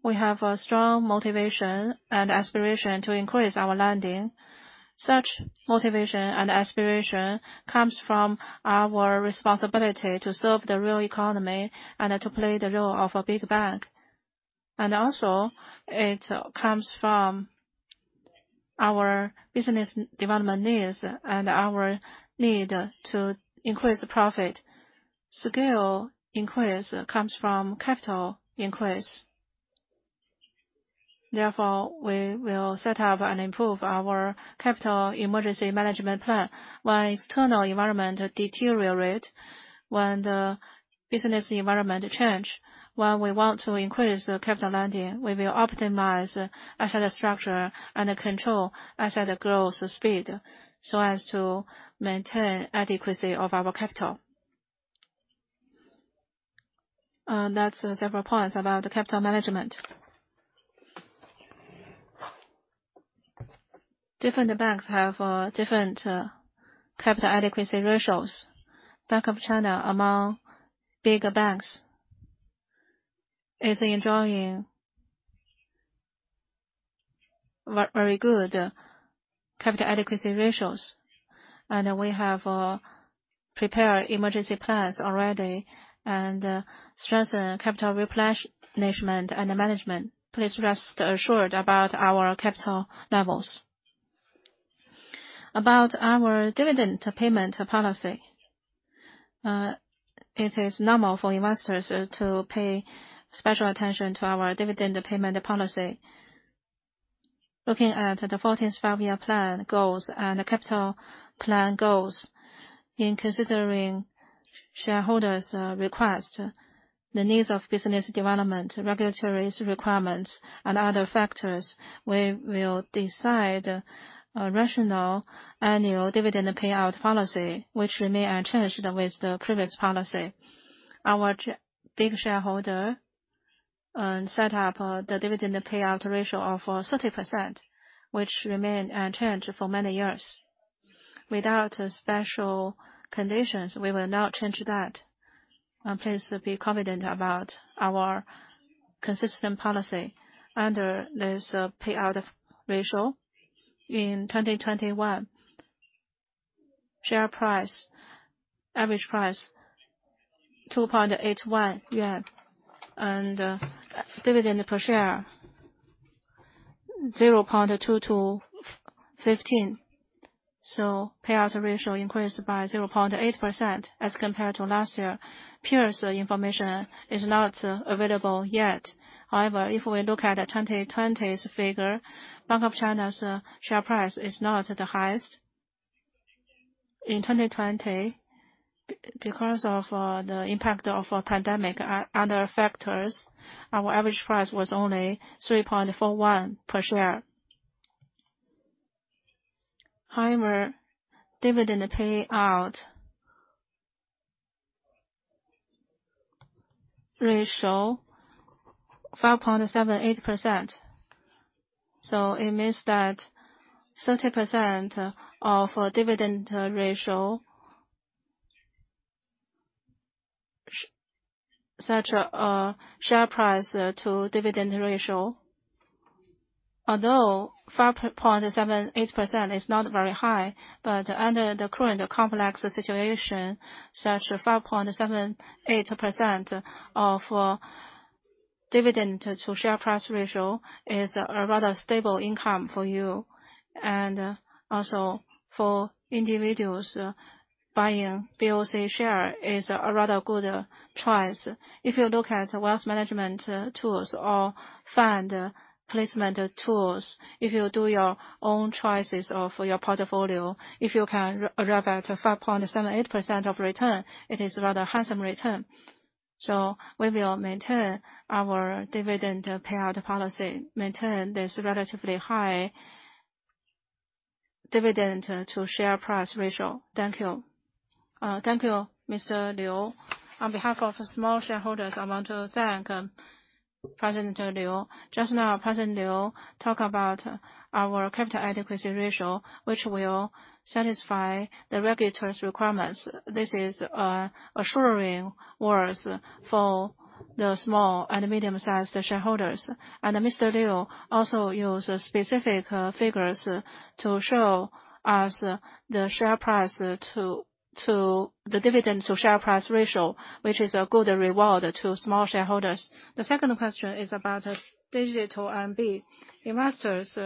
A: we have a strong motivation and aspiration to increase our lending. Such motivation and aspiration comes from our responsibility to serve the real economy and to play the role of a big bank. Also, it comes from our business development needs and our need to increase profit. Scale increase comes from capital increase. Therefore, we will set up and improve our capital emergency management plan. When external environment deteriorate, when the business environment change, when we want to increase the capital lending, we will optimize asset structure and control asset growth speed so as to maintain adequacy of our capital. That's several points about capital management. Different banks have different capital adequacy ratios. Bank of China, among bigger banks, is enjoying very good capital adequacy ratios. We have prepared emergency plans already and strengthen capital replenishment and management. Please rest assured about our capital levels. About our dividend payment policy. It is normal for investors to pay special attention to our dividend payment policy. Looking at the 14th Five-Year Plan goals and the capital plan goals in considering shareholders' request, the needs of business development, regulatory requirements, and other factors, we will decide a rational annual dividend payout policy which remain unchanged with the previous policy. Our big shareholder set up the dividend payout ratio of 30%, which remained unchanged for many years. Without special conditions, we will not change that. Please be confident about our consistent policy under this payout ratio. In 2021, share price average price 2.81 yuan, and dividend per share 0.2215. Payout ratio increased by 0.8% as compared to last year. Peers information is not available yet. However, if we look at the 2020's figure, Bank of China's share price is not the highest. In 2020, because of the impact of a pandemic and other factors, our average price was only 3.41 per share. However, dividend payout ratio 5.78%. It means that 30% of dividend ratio such a share price to dividend ratio. Although 5.78% is not very high, but under the current complex situation, such 5.78% of dividend-to-share price ratio is a rather stable income for you. And also for individuals, buying BOC share is a rather good choice. If you look at wealth management tools or fund placement tools, if you do your own choices of your portfolio, if you can arrive at 5.78% of return, it is rather handsome return. We will maintain our dividend payout policy, maintain this relatively high dividend to share price ratio. Thank you. Thank you, Mr. Liu. On behalf of small shareholders, I want to thank President Liu. Just now, President Liu talk about our capital adequacy ratio, which will satisfy the regulators' requirements. This is assuring words for the small and medium-sized shareholders. Mr. Liu also used specific figures to show us the dividend to share price ratio, which is a good reward to small shareholders. The second question is about digital RMB. Investors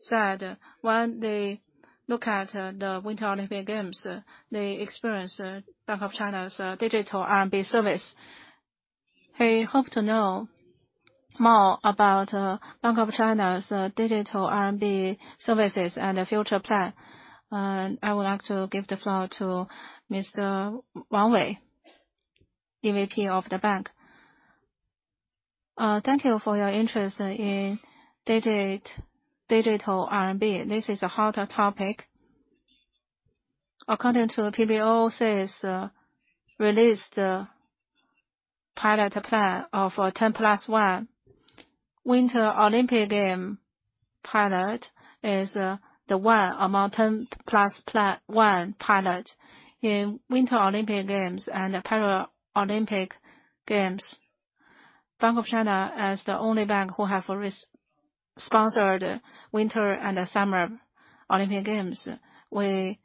A: said when they look at the Winter Olympic Games, they experience Bank of China's digital RMB service. We hope to know more about Bank of China's digital RMB services and future plan. I would like to give the floor to Mr. Wang Wei, EVP of the bank. Thank you for your interest in digital RMB. This is a hot topic. According to the PBOC's released pilot plan of 10+1. Winter Olympic Games pilot is the one among 10+1 pilot in Winter Olympic Games and Paralympic Games. Bank of China, as the only bank who have sponsored Winter and Summer Olympic Games, we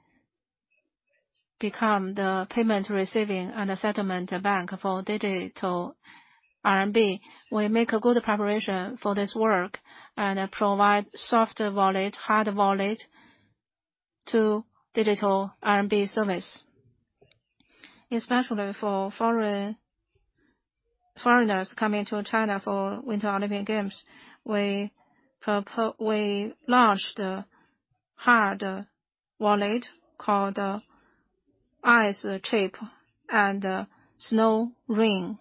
A: become the payment receiving and the settlement bank for digital RMB. We make a good preparation for this work and provide soft wallet, hard wallet to digital RMB service. Especially for foreigners coming to China for Winter Olympic Games, we launched a hard wallet called Ice Chip and Snow Band.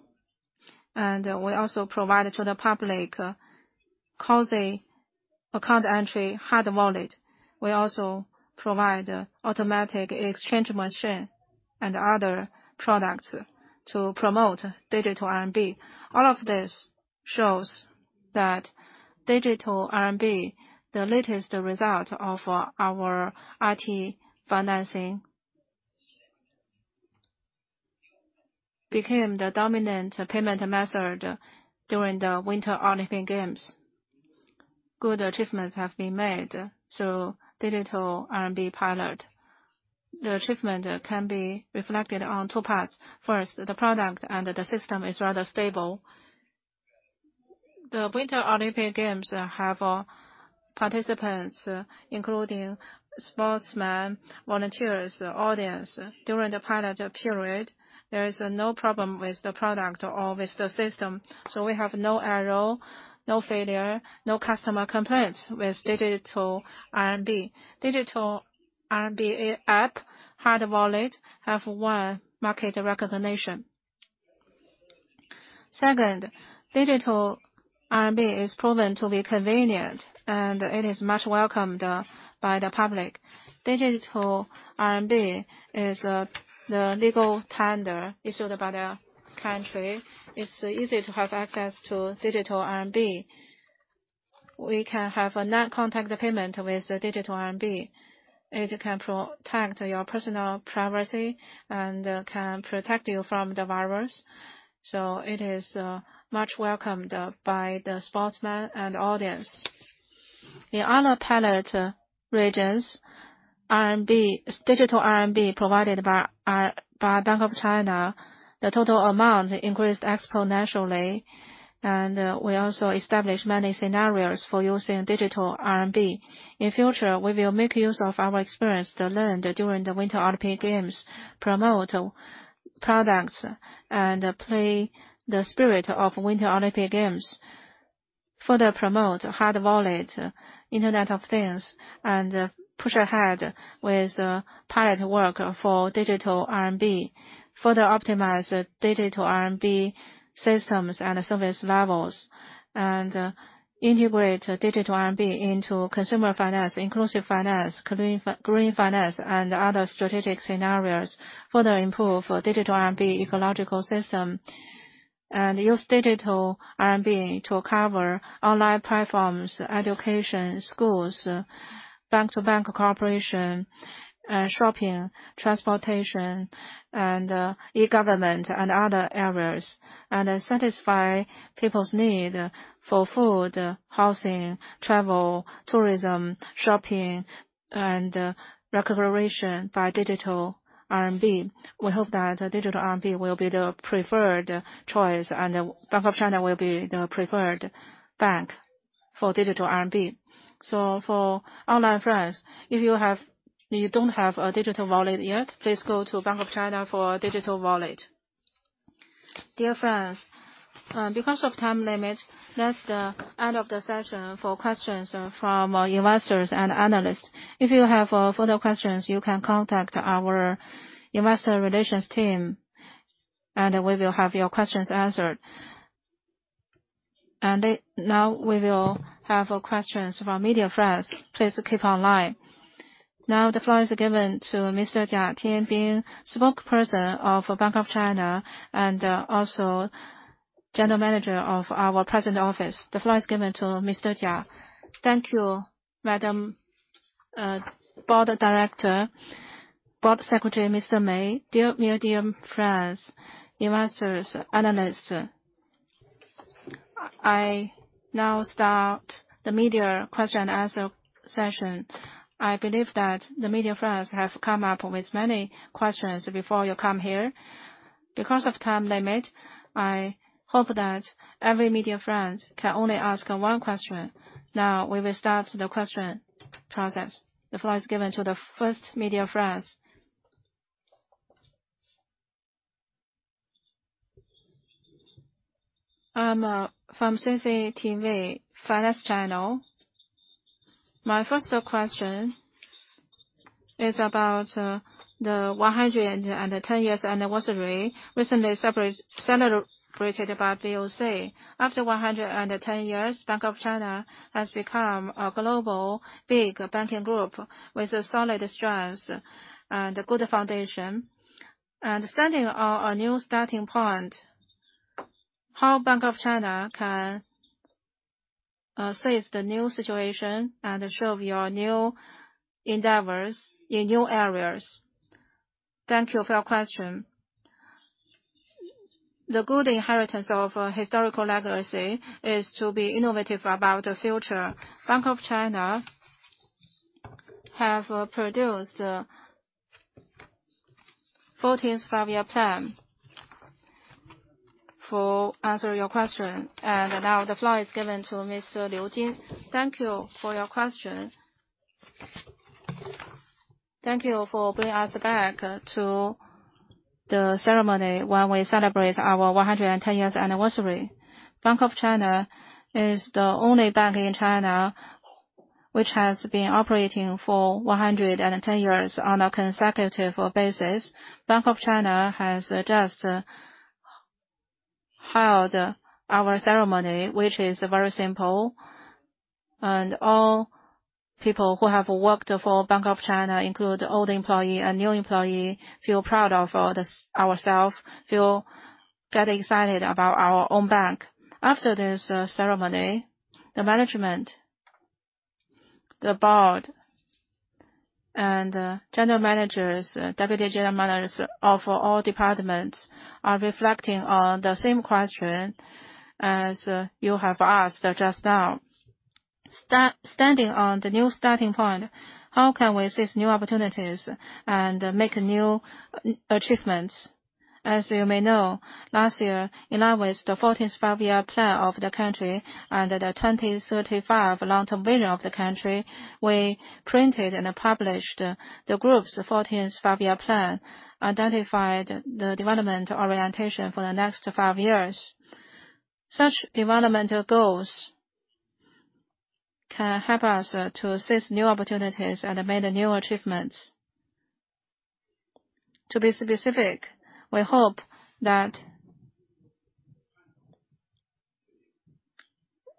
A: We also provide to the public easy account entry hard wallet. We also provide automatic exchange machine and other products to promote digital RMB. All of this shows that digital RMB, the latest result of our IT financing, became the dominant payment method during the Winter Olympic Games. Good achievements have been made through digital RMB pilot. The achievement can be reflected on two parts. First, the product and the system is rather stable. The Winter Olympic Games have participants, including sportsmen, volunteers, audience. During the pilot period, there is no problem with the product or with the system. So, we have no error, no failure, no customer complaints with digital RMB. Digital RMB app, hardware wallet, have won market recognition. Second, digital RMB is proven to be convenient, and it is much welcomed by the public. Digital RMB is the legal tender issued by the country. It's easy to have access to digital RMB. We can have a non-contact payment with digital RMB. It can protect your personal privacy and can protect you from the virus. It is much welcomed by the sportsmen and audience. In other pilot regions, digital RMB provided by Bank of China, the total amount increased exponentially. We also established many scenarios for using digital RMB. In future, we will make use of our experience to learn during the Winter Olympic Games, promote products, and play the spirit of Winter Olympic Games, further promote hardware wallet, Internet of Things, and push ahead with pilot work for digital RMB, further optimize digital RMB systems and service levels, and integrate digital RMB into consumer finance, inclusive finance, green finance, and other strategic scenarios, further improve digital RMB ecosystem, and use digital RMB to cover online platforms, education, schools, bank-to-bank cooperation, shopping, transportation, and e-government and other areas, and satisfy people's need for food, housing, travel, tourism, shopping, and recreation by digital RMB. We hope that digital RMB will be the preferred choice and Bank of China will be the preferred bank for digital RMB. For online friends, if you have, You don't have a digital wallet yet, please go to Bank of China for digital wallet. Dear friends, because of time limit, that's the end of the session for questions from our investors and analysts. If you have further questions, you can contact our investor relations team, and we will have your questions answered. Now we will have questions from our media friends. Please keep online. Now, the floor is given to Mr. Jia Tianbing, spokesperson of Bank of China and also General Manager of our President's office. The floor is given to Mr. Jia. Thank you, Madam Board Director. Board Secretary, Mr. Mei, dear media friends, investors, analysts. I now start the media question and answer session. I believe that the media friends have come up with many questions before you come here. Because of time limit, I hope that every media friend can only ask one question. Now, we will start the question process. The floor is given to the first media friends. I'm from CCTV Finance Channel. My first question is about the 110 years anniversary recently celebrated by BOC. After 110 years, Bank of China has become a global big banking group with a solid strength and a good foundation. Standing on a new starting point, how Bank of China can seize the new situation and show your new endeavors in new areas? Thank you for your question. The good inheritance of a historical legacy is to be innovative about the future. Bank of China have produced 14th Five-Year Plan for answer your question. Now the floor is given to Mr. Liu Jin. Thank you for your question. Thank you for bringing us back to the ceremony when we celebrate our 110 years anniversary. Bank of China is the only bank in China which has been operating for 110 years on a consecutive basis. Bank of China has just held our ceremony, which is very simple. And all people who have worked for Bank of China, include old employee and new employee, feel proud of this ourselves, feel get excited about our own bank. After this ceremony, the management, the board, and general managers, deputy general managers of all departments are reflecting on the same question as you have asked just now. Standing on the new starting point, how can we seize new opportunities and make new achievements? As you may know, last year, in line with the 14th Five-Year Plan of the country and the 2025 long-term vision of the country, we printed and published the group's 14th Five-Year Plan, identified the development orientation for the next five years. Such developmental goals can help us to seize new opportunities and make new achievements. To be specific, we hope that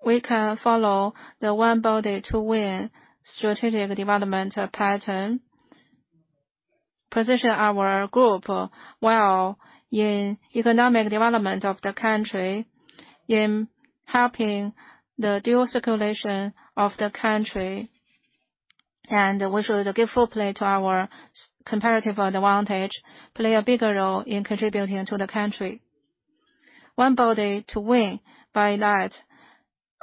A: we can follow the One Body with Two Wings strategic development pattern. Position our group well in economic development of the country, in helping the dual circulation of the country. And we should give full play to our comparative advantage, play a bigger role in contributing to the country. One Body Two Wings. By that,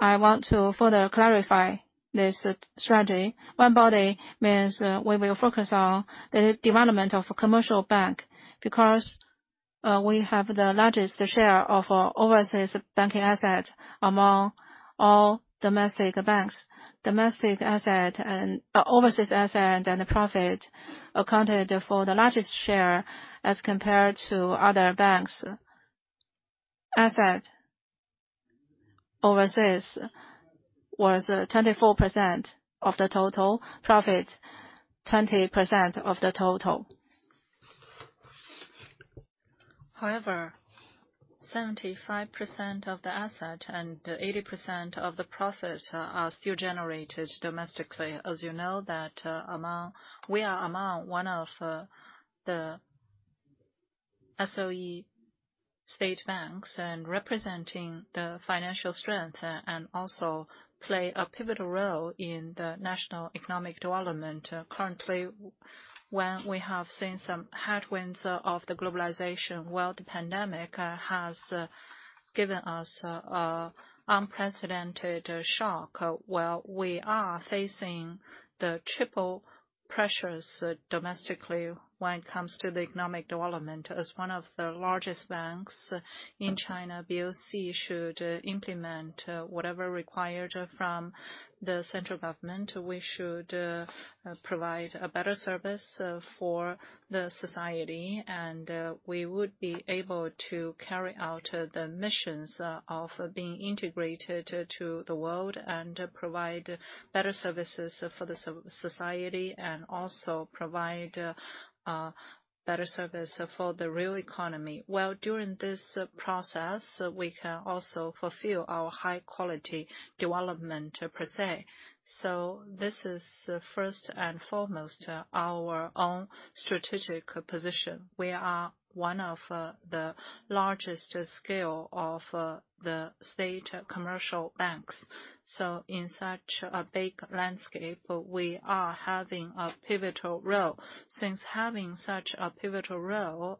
A: I want to further clarify this strategy. One Body means we will focus on the development of a commercial bank, because we have the largest share of overseas banking assets among all domestic banks. Domestic assets and overseas assets and profit accounted for the largest share as compared to other banks. Overseas assets were 24% of the total. Profit, 20% of the total. However, 75% of the assets and 80% of the total are still generated domestically. As you know that among We are among one of the SOE state banks and representing the financial strength and also play a pivotal role in the national economic development. Currently, when we have seen some headwinds of the globalization world, the pandemic has given us unprecedented shock while we are facing the triple pressures domestically when it comes to the economic development. As one of the largest banks in China, BOC should implement whatever required from the central government. We should provide a better service for the society, and we would be able to carry out the missions of being integrated to the world and provide better services for the society, and also provide better service for the real economy. While during this process, we can also fulfill our high quality development per se. This is first and foremost our own strategic position. We are one of the largest scale of the state commercial banks. In such a big landscape, we are having a pivotal role. Since having such a pivotal role,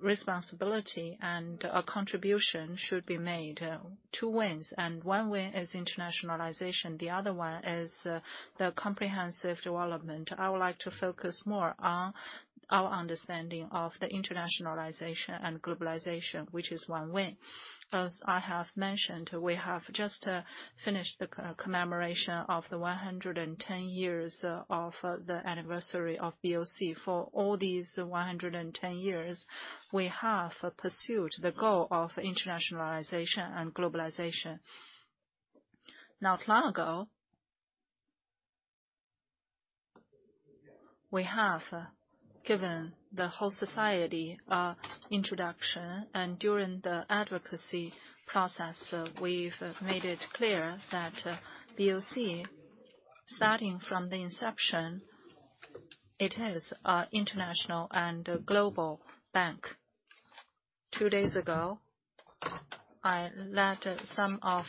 A: responsibility and a contribution should be made. Two wings, and one wing is internationalization, the other one is the comprehensive development. I would like to focus more on our understanding of the internationalization and globalization, which is one wing. As I have mentioned, we have just finished the co-commemoration of the 110 years of the anniversary of BOC. For all these 110 years, we have pursued the goal of internationalization and globalization. Not long ago, we have given the whole society an introduction, and during the advocacy process, we've made it clear that BOC, starting from the inception, it is an international and a global bank. Two days ago, I led some of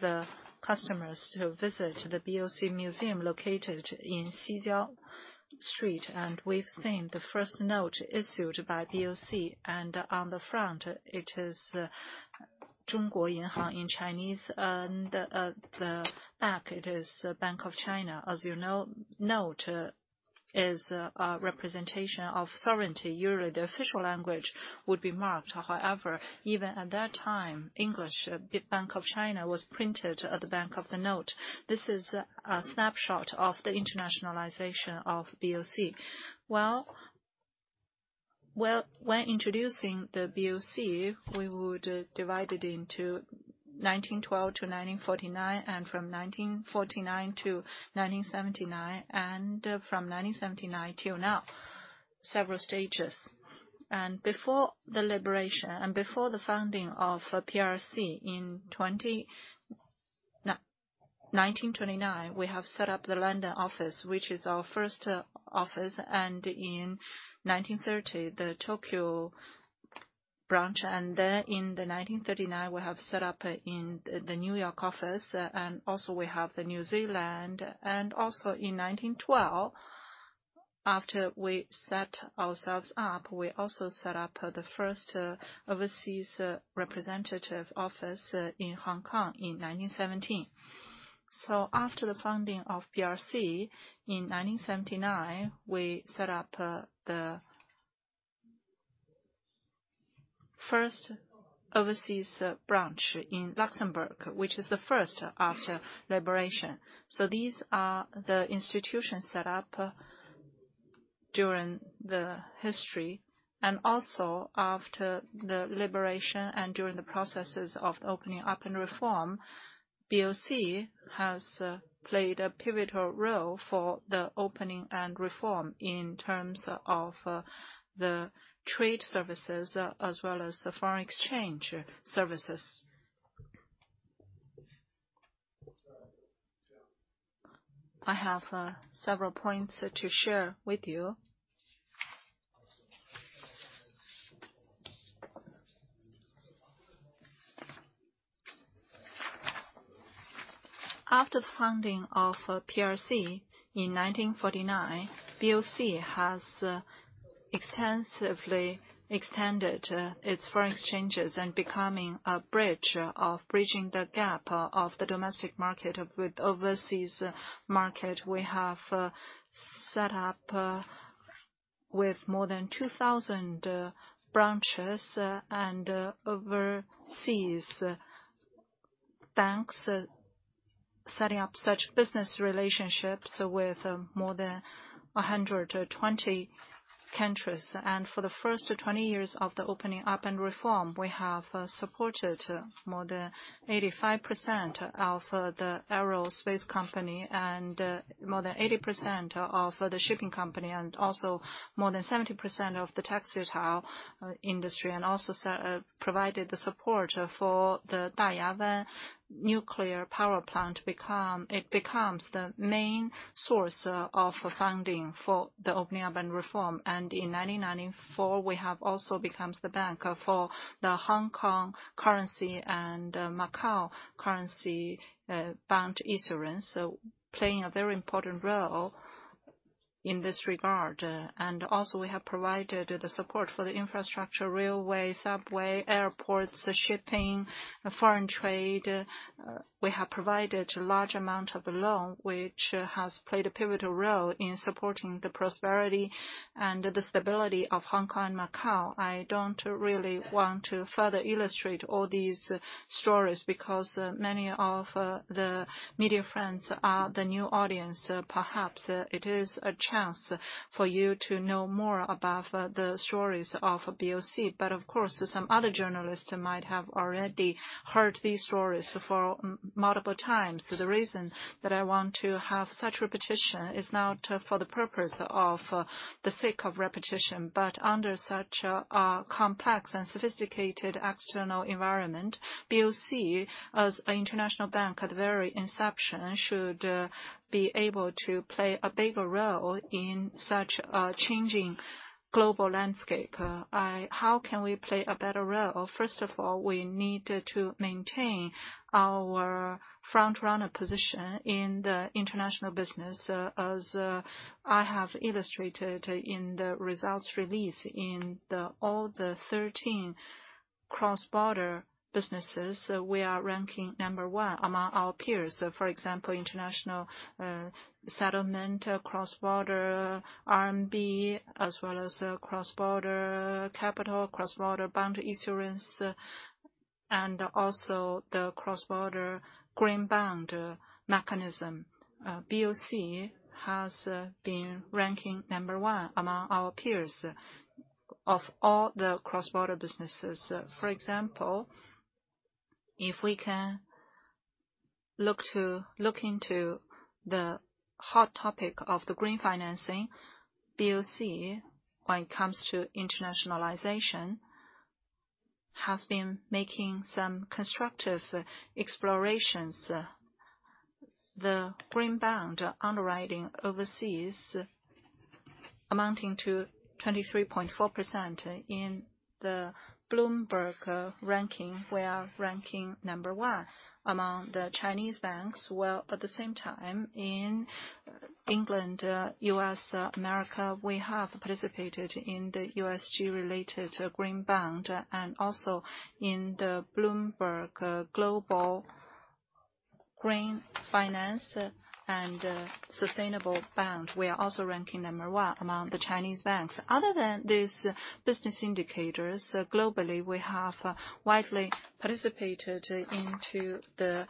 A: the customers to visit the BOC museum located in Xijiaominxiang, and we've seen the first note issued by BOC, and on the front it is [Chinese: 中国银行] in Chinese, and at the back, it is Bank of China. As you know, note is a representation of sovereignty. Usually, the official language would be marked. However, even at that time, English, Bank of China, was printed at the back of the note. This is a snapshot of the internationalization of BOC. Well, when introducing the BOC, we would divide it into 1912 to 1949, and from 1949 to 1979, and from 1979 till now, several stages. Before the liberation and before the founding of PRC in 20... In 1929, we set up the London office, which is our first office, and in 1930, the Tokyo branch. In 1939, we set up the New York office, and also the New Zealand. In 1912, after we set ourselves up, we set up the first overseas representative office in Hong Kong in 1917. After the founding of PRC in 1979, we set up the first overseas branch in Luxembourg, which is the first after liberation. These are the institutions set up during the history. After the liberation and during the processes of opening up and reform, BOC has played a pivotal role for the opening and reform in terms of the trade services as well as the foreign exchange services. I have several points to share with you. After the founding of PRC in 1949, BOC has extensively extended its foreign exchanges and becoming a bridge of bridging the gap of the domestic market with overseas market. We have set up with more than 2,000 branches and overseas banks, setting up such business relationships with more than 120 countries. For the first 20 years of the opening up and reform, we have supported more than 85% of the aerospace company, and more than 80% of the shipping company, and also more than 70% of the textile industry, and also provided the support for the Daya Bay nuclear power plant. It becomes the main source of funding for the opening up and reform. In 1994, we have also become the banker for the Hong Kong currency and Macao currency bond issuance, so playing a very important role in this regard. And also, we have provided the support for the infrastructure, railway, subway, airports, shipping, foreign trade. We have provided a large amount of loan, which has played a pivotal role in supporting the prosperity and the stability of Hong Kong and Macao. I don't really want to further illustrate all these stories, because many of the media friends are the new audience. Perhaps it is a chance for you to know more about the stories of BOC. But of course, some other journalists might have already heard these stories for multiple times. The reason that I want to have such repetition is not for the purpose of the sake of repetition, but under such a complex and sophisticated external environment, BOC, as an international bank at the very inception, should be able to play a bigger role in such a changing global landscape. How can we play a better role? First of all, we need to maintain our front-runner position in the international business. As I have illustrated in the results release, in all the 13 cross-border businesses, we are ranking number one among our peers. For example, international settlement, cross-border RMB, as well as cross-border capital, cross-border bond issuance, and also the cross-border green bond mechanism. BOC has been ranking number 1 among our peers of all the cross-border businesses. For example, if we can look into the hot topic of the green financing, BOC, when it comes to internationalization, has been making some constructive explorations. The green bond underwriting overseas amounting to 23.4% in the Bloomberg ranking. We are ranking number one among the Chinese banks, while at the same time in England, U.S., America, we have participated in the ESG-related green bond. In the Bloomberg Global Green Finance and Sustainable Bond, we are also ranking number one among the Chinese banks. Other than these business indicators, globally, we have widely participated in the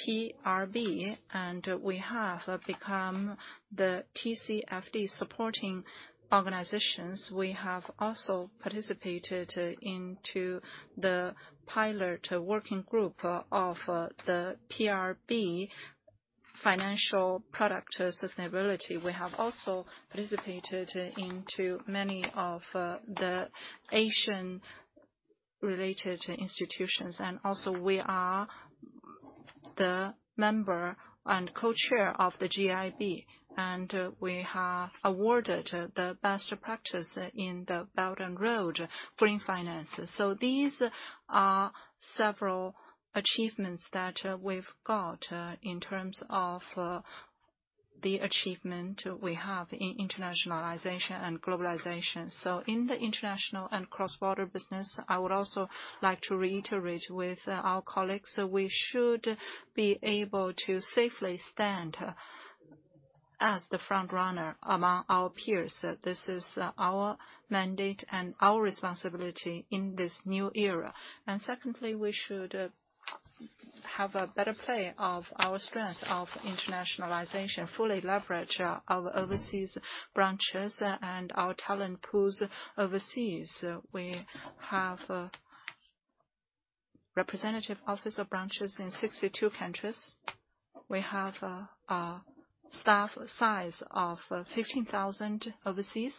A: PRB, and we have become the TCFD supporting organizations. We have also participated in the pilot working group of the PRB financial product sustainability. We have also participated in to many of the Asian-related institutions, and also, we are a member and co-chair of the GIB. We are awarded the best practice in the Belt and Road green finance. These are several achievements that we've got in terms of the achievement we have in internationalization and globalization. In the international and cross-border business, I would also like to reiterate with our colleagues, we should be able to safely stand as the front-runner among our peers. This is our mandate and our responsibility in this new era. Secondly, we should have a better play of our strength of internationalization, fully leverage our overseas branches and our talent pools overseas. We have representative office or branches in 62 countries. We have a staff size of 15,000 overseas.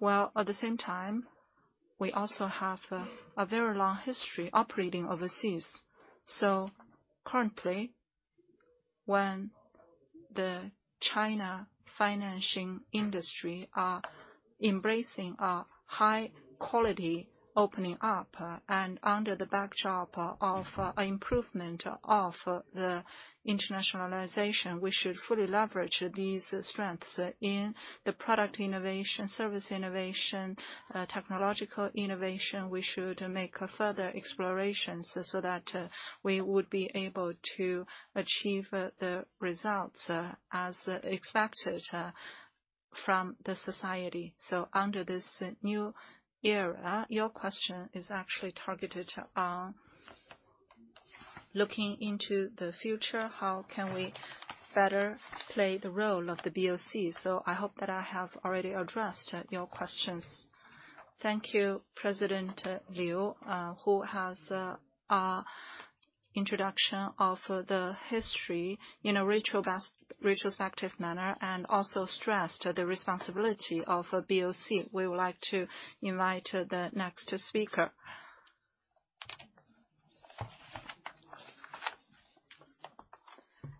A: At the same time, we also have a very long history operating overseas. Currently, when the Chinese financial industry is embracing a high quality opening up, and under the backdrop of improvement of the internationalization, we should fully leverage these strengths in the product innovation, service innovation, technological innovation. We should make further explorations so that we would be able to achieve the results as expected from the society. So under this new era, your question is actually targeted on looking into the future, how can we better play the role of the BOC? So, I hope that I have already addressed your questions. Thank you, President Liu, who has an introduction of the history in a retrospective manner and also stressed the responsibility of BOC. We would like to invite the next speaker.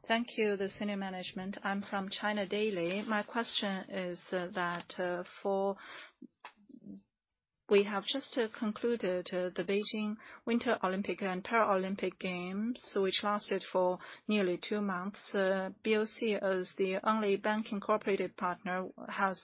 A: Thank you, the senior management. I'm from China Daily. My question is that for, we have just concluded the Beijing Winter Olympic and Paralympic Games, which lasted for nearly two months. BOC as the only bank incorporated partner has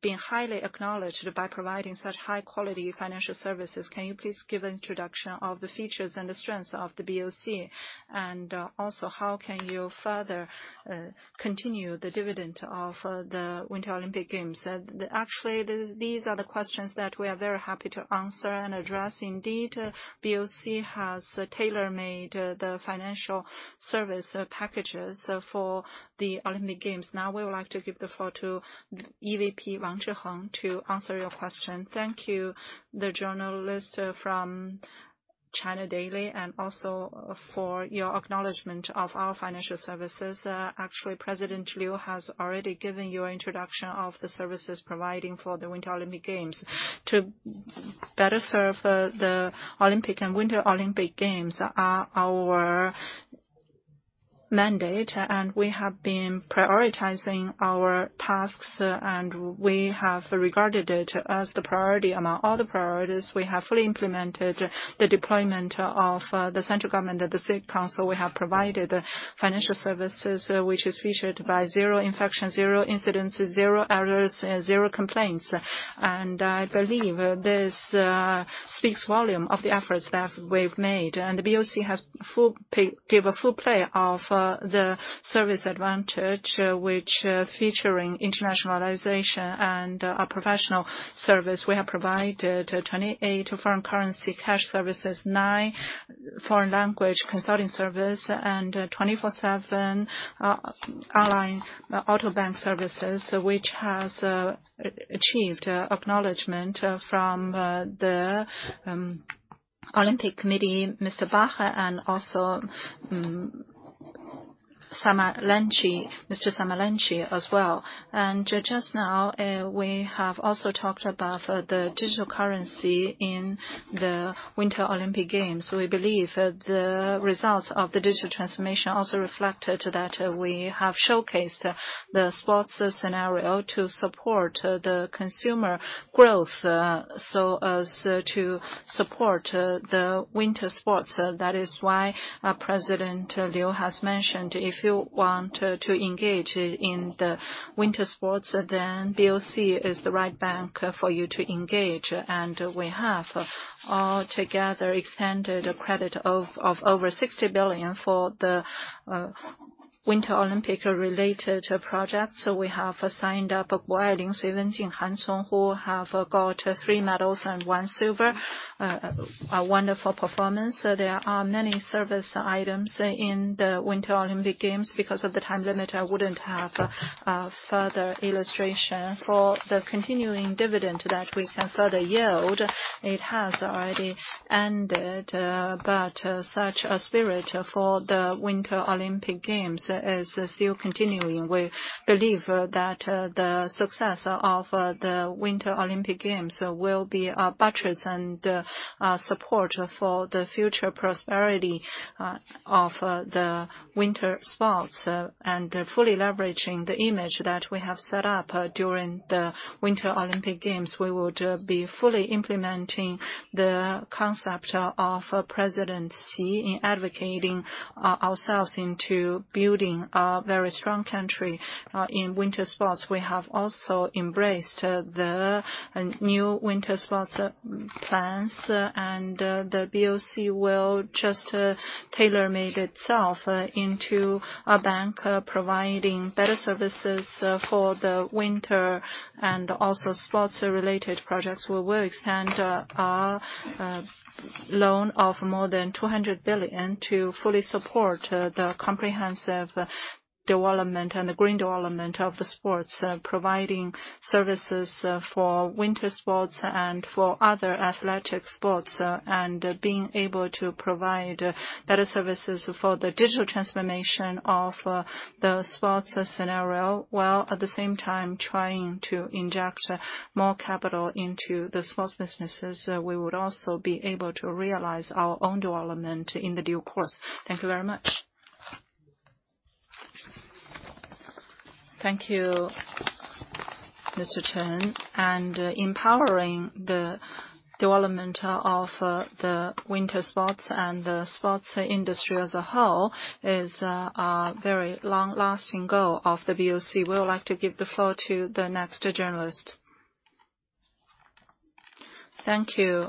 A: been highly acknowledged by providing such high-quality financial services. Can you please give introduction of the features and the strengths of the BOC? And also how can you further continue the dividend of the Winter Olympic Games? Actually, these are the questions that we are very happy to answer and address. Indeed, BOC has tailor-made the financial service packages for the Olympic Games. Now we would like to give the floor to EVP Wang Zhihao to answer your question. Thank you, the journalist from China Daily, and also for your acknowledgement of our financial services. Actually, President Liu has already given you an introduction of the services providing for the Winter Olympic Games. To better serve the Olympic and Winter Olympic Games are our mandate, and we have been prioritizing our tasks, and we have regarded it as the priority among all the priorities. We have fully implemented the deployment of the central government and the State Council. We have provided financial services, which is featured by zero infection, zero incidences, zero errors, and zero complaints. And I believe this speaks volume of the efforts that we've made. The BOC gave a full play of the service advantage which featuring internationalization and a professional service. We have provided 28 foreign currency cash services, nine foreign language consulting service, and 24/7 online auto bank services, which has achieved acknowledgement from the Olympic Committee, Mr. Bach, and also Samaranch, Mr. Samaranch as well. Just now we have also talked about the digital currency in the Winter Olympic Games. So we believe the results of the digital transformation also reflected that we have showcased the sports scenario to support the consumer growth, so as to support the winter sports. So that is why our President Liu has mentioned if you want to engage in the winter sports, then BOC is the right bank for you to engage. We have all together extended a credit of over 60 billion for the Winter Olympic related project. We have signed up Gu Ailing, Su Yiming, Han Cong have got three medals and one silver. A wonderful performance. There are many service items in the Winter Olympic Games. Because of the time limit, I wouldn't have further illustration. For the continuing dividend that we can further yield, it has already ended. Such a spirit for the Winter Olympic Games is still continuing. We believe that the success of the Winter Olympic Games will be a buttress and a support for the future prosperity of the winter sports. Fully leveraging the image that we have set up during the Winter Olympic Games, we would be fully implementing the concept of President Xi Jinping in advocating ourselves into building a very strong country in winter sports. We have also embraced the new winter sports of plans, and the BOC will just tailor-made itself into a bank providing better services for the winter and also sports-related projects. We will expand our loan of more than 200 billion to fully support the comprehensive development and the green development of the sports, providing services for winter sports and for other athletic sports, and being able to provide better services for the digital transformation of the sports scenario, while at the same time trying to inject more capital into the sports businesses. We would also be able to realize our own development in due course. Thank you very much. Thank you, Mr. Chen. Empowering the development of the winter sports and the sports industry as a whole is a very long-lasting goal of the BOC. We would like to give the floor to the next journalist. Thank you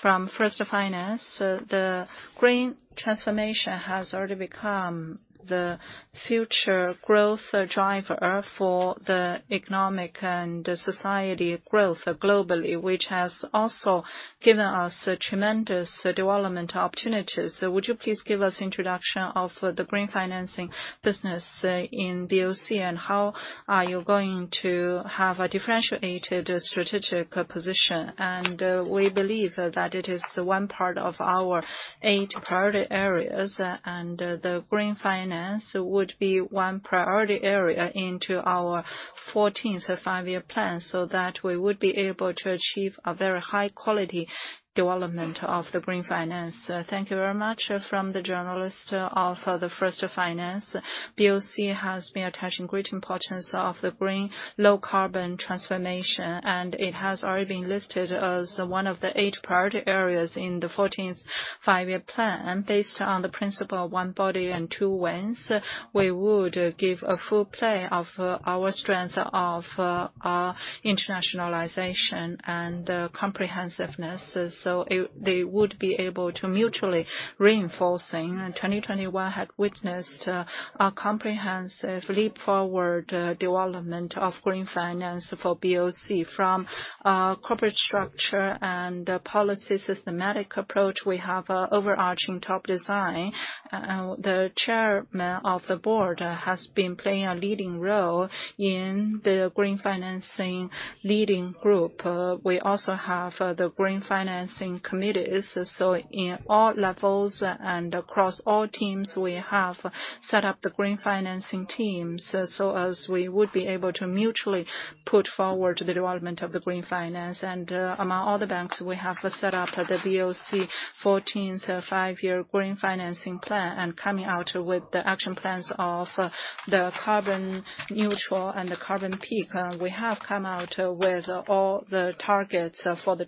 A: from First Finance. The green transformation has already become the future growth driver for the economic and social growth globally, which has also given us tremendous development opportunities. Would you please give us introduction of the green financing business in BOC, and how are you going to have a differentiated strategic position? And we believe that it is one part of our eight priority areas, and the green finance would be one priority area in our 14th Five-Year Plan, so that we would be able to achieve a very high quality development of the green finance. Thank you very much from the journalist of the First Finance. BOC has been attaching great importance to the green low-carbon transformation, and it has already been listed as one of the eight priority areas in the 14th Five-Year Plan. Based on the principle of One Body with Two Wings, we would give full play to our strength of internationalization and comprehensiveness. So they would be able to mutually reinforce. 2021 had witnessed a comprehensive leap-forward development of green finance for BOC. From our corporate structure and policy systematic approach, we have an overarching top design. The Chairman of the Board has been playing a leading role in the green financing leading group. We also have the green financing committees. In all levels and across all teams, we have set up the green financing teams so as we would be able to mutually put forward the development of the green finance. Among all the banks, we have set up the BOC 14th Five-Year Green Financing Plan and coming out with the action plans of carbon neutrality and carbon peaking. We have come out with all the targets for the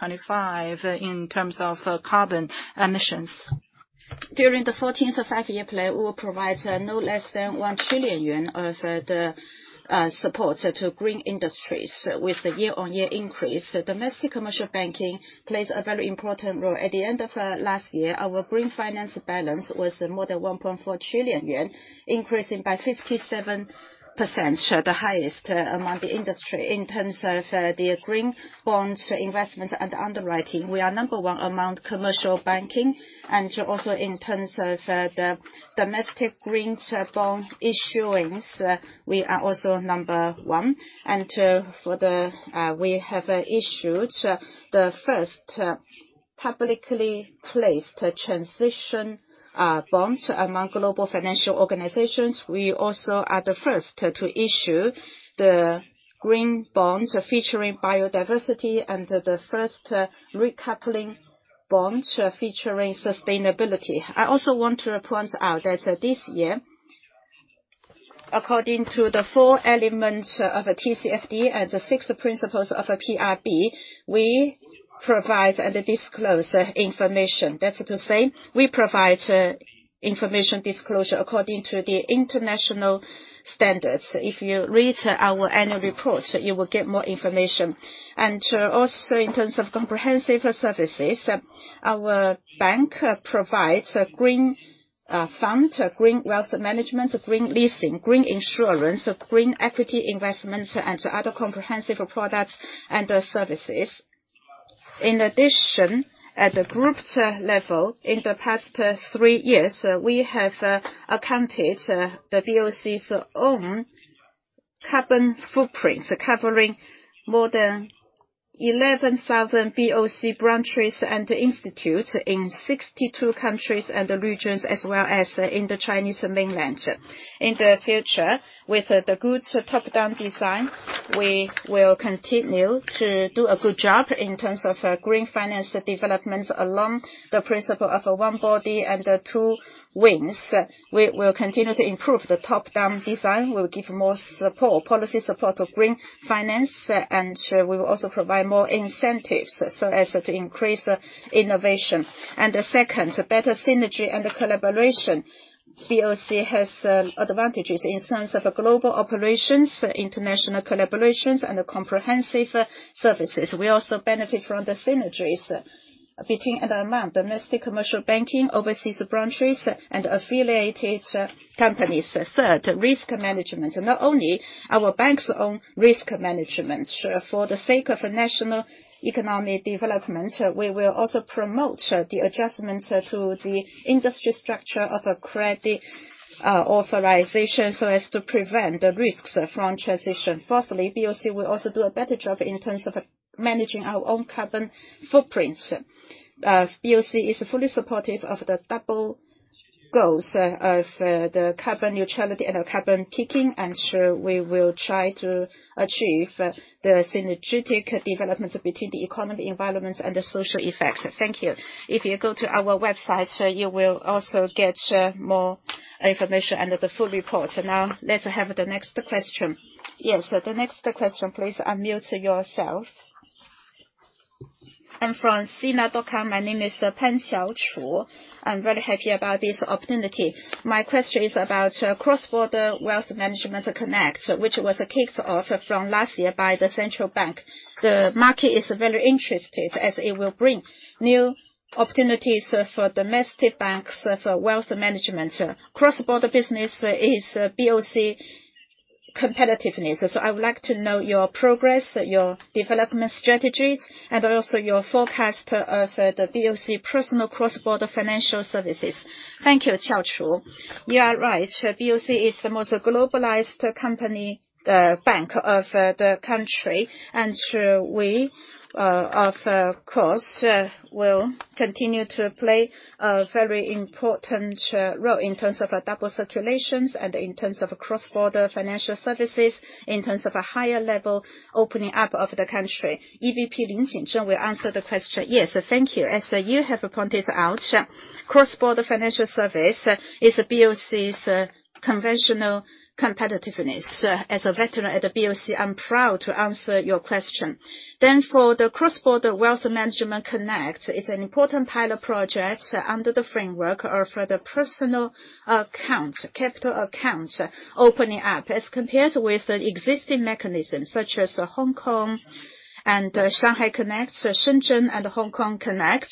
A: 2021-2025 in terms of carbon emissions. During the 14th Five-Year Plan, we will provide no less than 1 trillion yuan of the support to green industries with the year-on-year increase. Domestic commercial banking plays a very important role. At the end of last year, our green finance balance was more than 1.4 trillion yuan, increasing by 67%, the highest among the industry. In terms of the green bonds investment and underwriting, we are number one among commercial banking, and also in terms of the domestic green bond issuance, we are also number one. We have issued the first publicly placed transition bonds among global financial organizations. We also are the first to issue the green bonds featuring biodiversity and the first recoupling bonds featuring sustainability. I also want to point out that this year, according to the four elements of a TCFD and the six principles of a PRB, we provide and disclose information. That's to say, we provide information disclosure according to the international standards. If you read our annual report, you will get more information. In terms of comprehensive services, our bank provides a green fund, a green wealth management, a green leasing, green insurance, a green equity investment, and other comprehensive products and services. In addition, at the group level, in the past three years, we have accounted for the BOC's own carbon footprint, covering more than 11,000 BOC branches and institutes in 62 countries and regions, as well as in the Chinese mainland. In the future, with the good top-down design, we will continue to do a good job in terms of green finance developments along the principle of One Body with Two Wings. We will continue to improve the top-down design. We will give more support, policy support of green finance, and we will also provide more incentives so as to increase innovation. And the second, better synergy and collaboration. BOC has advantages in terms of global operations, international collaborations, and comprehensive services. We also benefit from the synergies between and among domestic commercial banking, overseas branches, and affiliated companies. Third, risk management. Not only our bank's own risk management, for the sake of national economic development, we will also promote the adjustments to the industry structure of a credit. Authorization so as to prevent the risks from transition. Firstly, BOC will also do a better job in terms of managing our own carbon footprints. BOC is fully supportive of the double goals of the carbon neutrality and carbon peaking, and sure we will try to achieve the synergetic developments between the economy, environment, and the social effects. Thank you. If you go to our website, you will also get more information and the full report. Now let's have the next question. Yes. So the next question, please unmute yourself. I'm from Sina.com. My name is Peng Qiuhong. I'm very happy about this opportunity. My question is about Cross-boundary Wealth Management Connect, which was kicked off from last year by the Central Bank. The market is very interested as it will bring new opportunities for domestic banks for wealth management. Cross-border business is BOC competitiveness. I would like to know your progress, your development strategies, and also your forecast of the BOC personal cross-border financial services. Thank you, Qiaochu. You are right. BOC is the most globalized company, bank of the country, and sure we, of course, will continue to play a very important role in terms of double circulations and in terms of cross-border financial services, in terms of a higher level opening up of the country. EVP Lin Jingzhen will answer the question. Yes. Thank you. As you have pointed out, cross-border financial service is BOC's conventional competitiveness. As a veteran at BOC, I'm proud to answer your question. Then, for the Cross-boundary Wealth Management Connect, it's an important pilot project under the framework for the personal account, capital accounts opening up. As compared with the existing mechanisms, such as Shanghai-Hong Kong Stock Connect, Shenzhen-Hong Kong Stock Connect,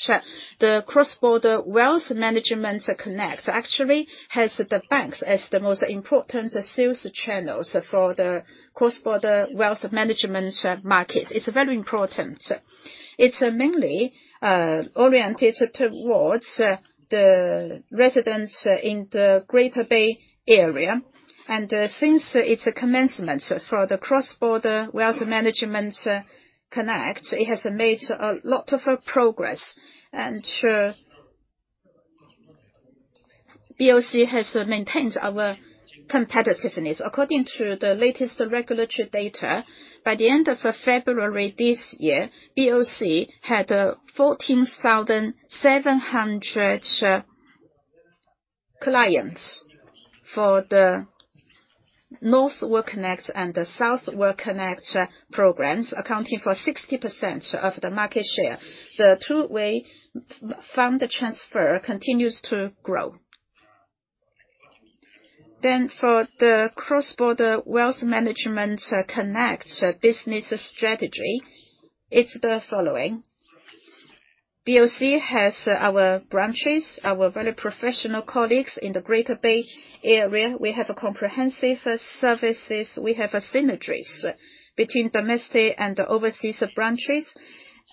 A: the Cross-boundary Wealth Management Connect actually has the banks as the most important sales channels for the Cross-boundary Wealth Management market. It's very important. It's mainly oriented towards the residents in the Greater Bay Area. Since its commencement for the Cross-boundary Wealth Management Connect, it has made a lot of progress. BOC has maintained our competitiveness. According to the latest regulatory data, by the end of February this year, BOC had 14,700 clients for the Northbound Wealth Management Connect and the Southbound Wealth Management Connect programs, accounting for 60% of the market share. The two-way fund transfer continues to grow. For the Cross-boundary Wealth Management Connect business strategy, it's the following. BOC has our branches, our very professional colleagues in the Greater Bay Area. We have comprehensive services. We have synergies between domestic and overseas branches,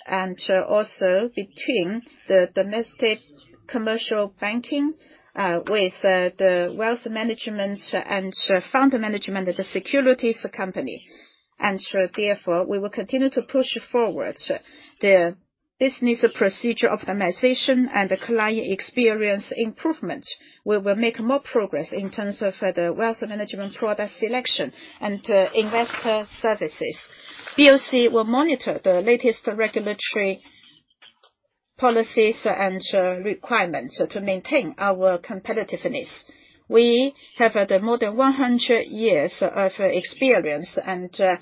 A: and also between the domestic commercial banking with the wealth management and fund management of the securities company. We will continue to push forward the business procedure optimization and the client experience improvement. We will make more progress in terms of the wealth management product selection and investor services. BOC will monitor the latest regulatory policies and requirements to maintain our competitiveness. We have more than 100 years of experience and competitiveness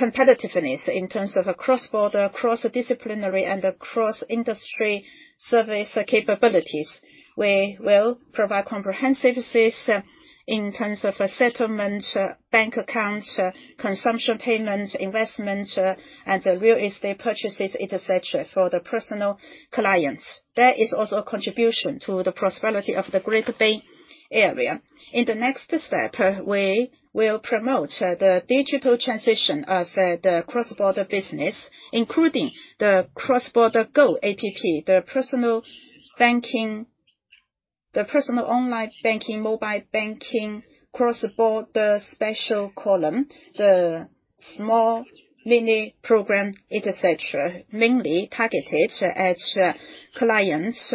A: in terms of cross-border, cross-disciplinary, and cross-industry service capabilities. We will provide comprehensive services in terms of settlement, bank accounts, consumption payments, investments, and real estate purchases, et cetera, for the personal clients. That is also a contribution to the prosperity of the Greater Bay Area. In the next step, we will promote the digital transition of the cross-border business, including the Cross-Border Go app, the personal online banking, mobile banking, cross-border special column, the small mini program, et cetera. Mainly targeted at clients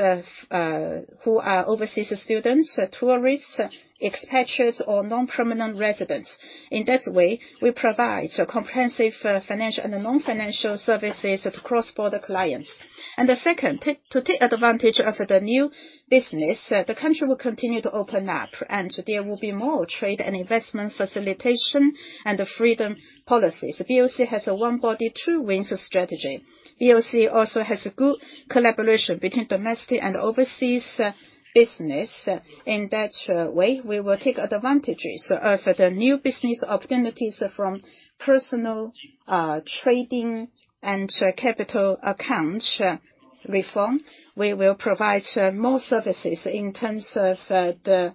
A: who are overseas students, tourists, expatriates, or non-permanent residents. In that way, we provide comprehensive financial and non-financial services to cross-border clients. And the second, to take advantage of the new business, the country will continue to open up, and there will be more trade and investment facilitation and freedom policies. BOC has a One Body with Two Wings strategy. BOC also has good collaboration between domestic and overseas business. In that way, we will take advantages of the new business opportunities from personal trading and capital accounts reform. We will provide more services in terms of the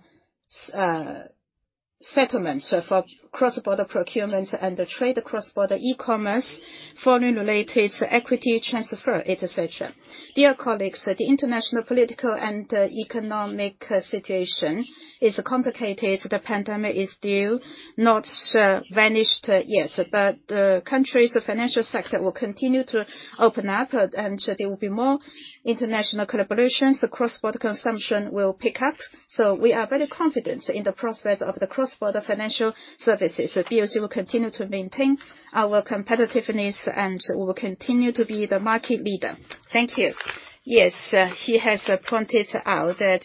A: settlements for cross-border procurements and trade, cross-border e-commerce, foreign-related equity transfer, etc. Dear colleagues, the international political and economic situation is complicated. The pandemic is still not vanished yet. Countries, the financial sector will continue to open up and there will be more international collaborations. The cross-border consumption will pick up. We are very confident in the process of the cross-border financial services. BOC will continue to maintain our competitiveness, and we will continue to be the market leader. Thank you. Yes, he has pointed out that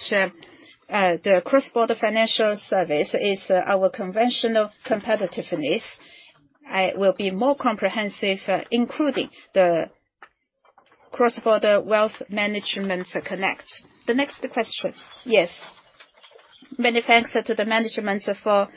A: the cross-border financial service is our conventional competitiveness. I will be more comprehensive, including the Cross-boundary Wealth Management Connect. The next question. Yes. Many thanks to the management for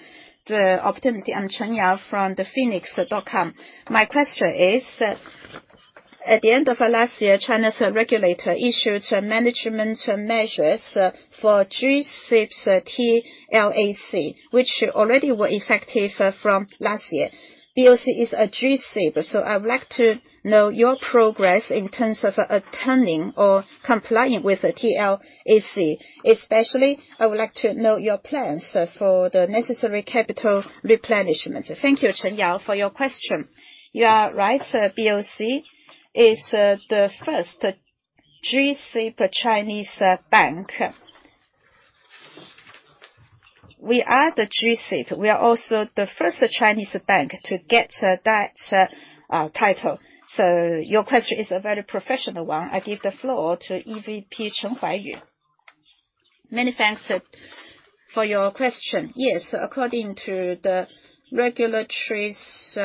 A: the opportunity. I'm Chen Yao from Phoenix Television. My question is, at the end of last year, China's regulator issued management measures for G-SIBs TLAC, which already were effective from last year. BOC is a G-SIB, so I would like to know your progress in terms of attending or complying with the TLAC. Especially, I would like to know your plans for the necessary capital replenishment. Thank you, Chen Yao, for your question. You are right, BOC is the first G-SIB Chinese bank. We are the G-SIB. We are also the first Chinese bank to get that, title. So your question is a very professional one. I give the floor to EVP Chen Huaiyu. Many thanks for your question. Yes, according to the regulator's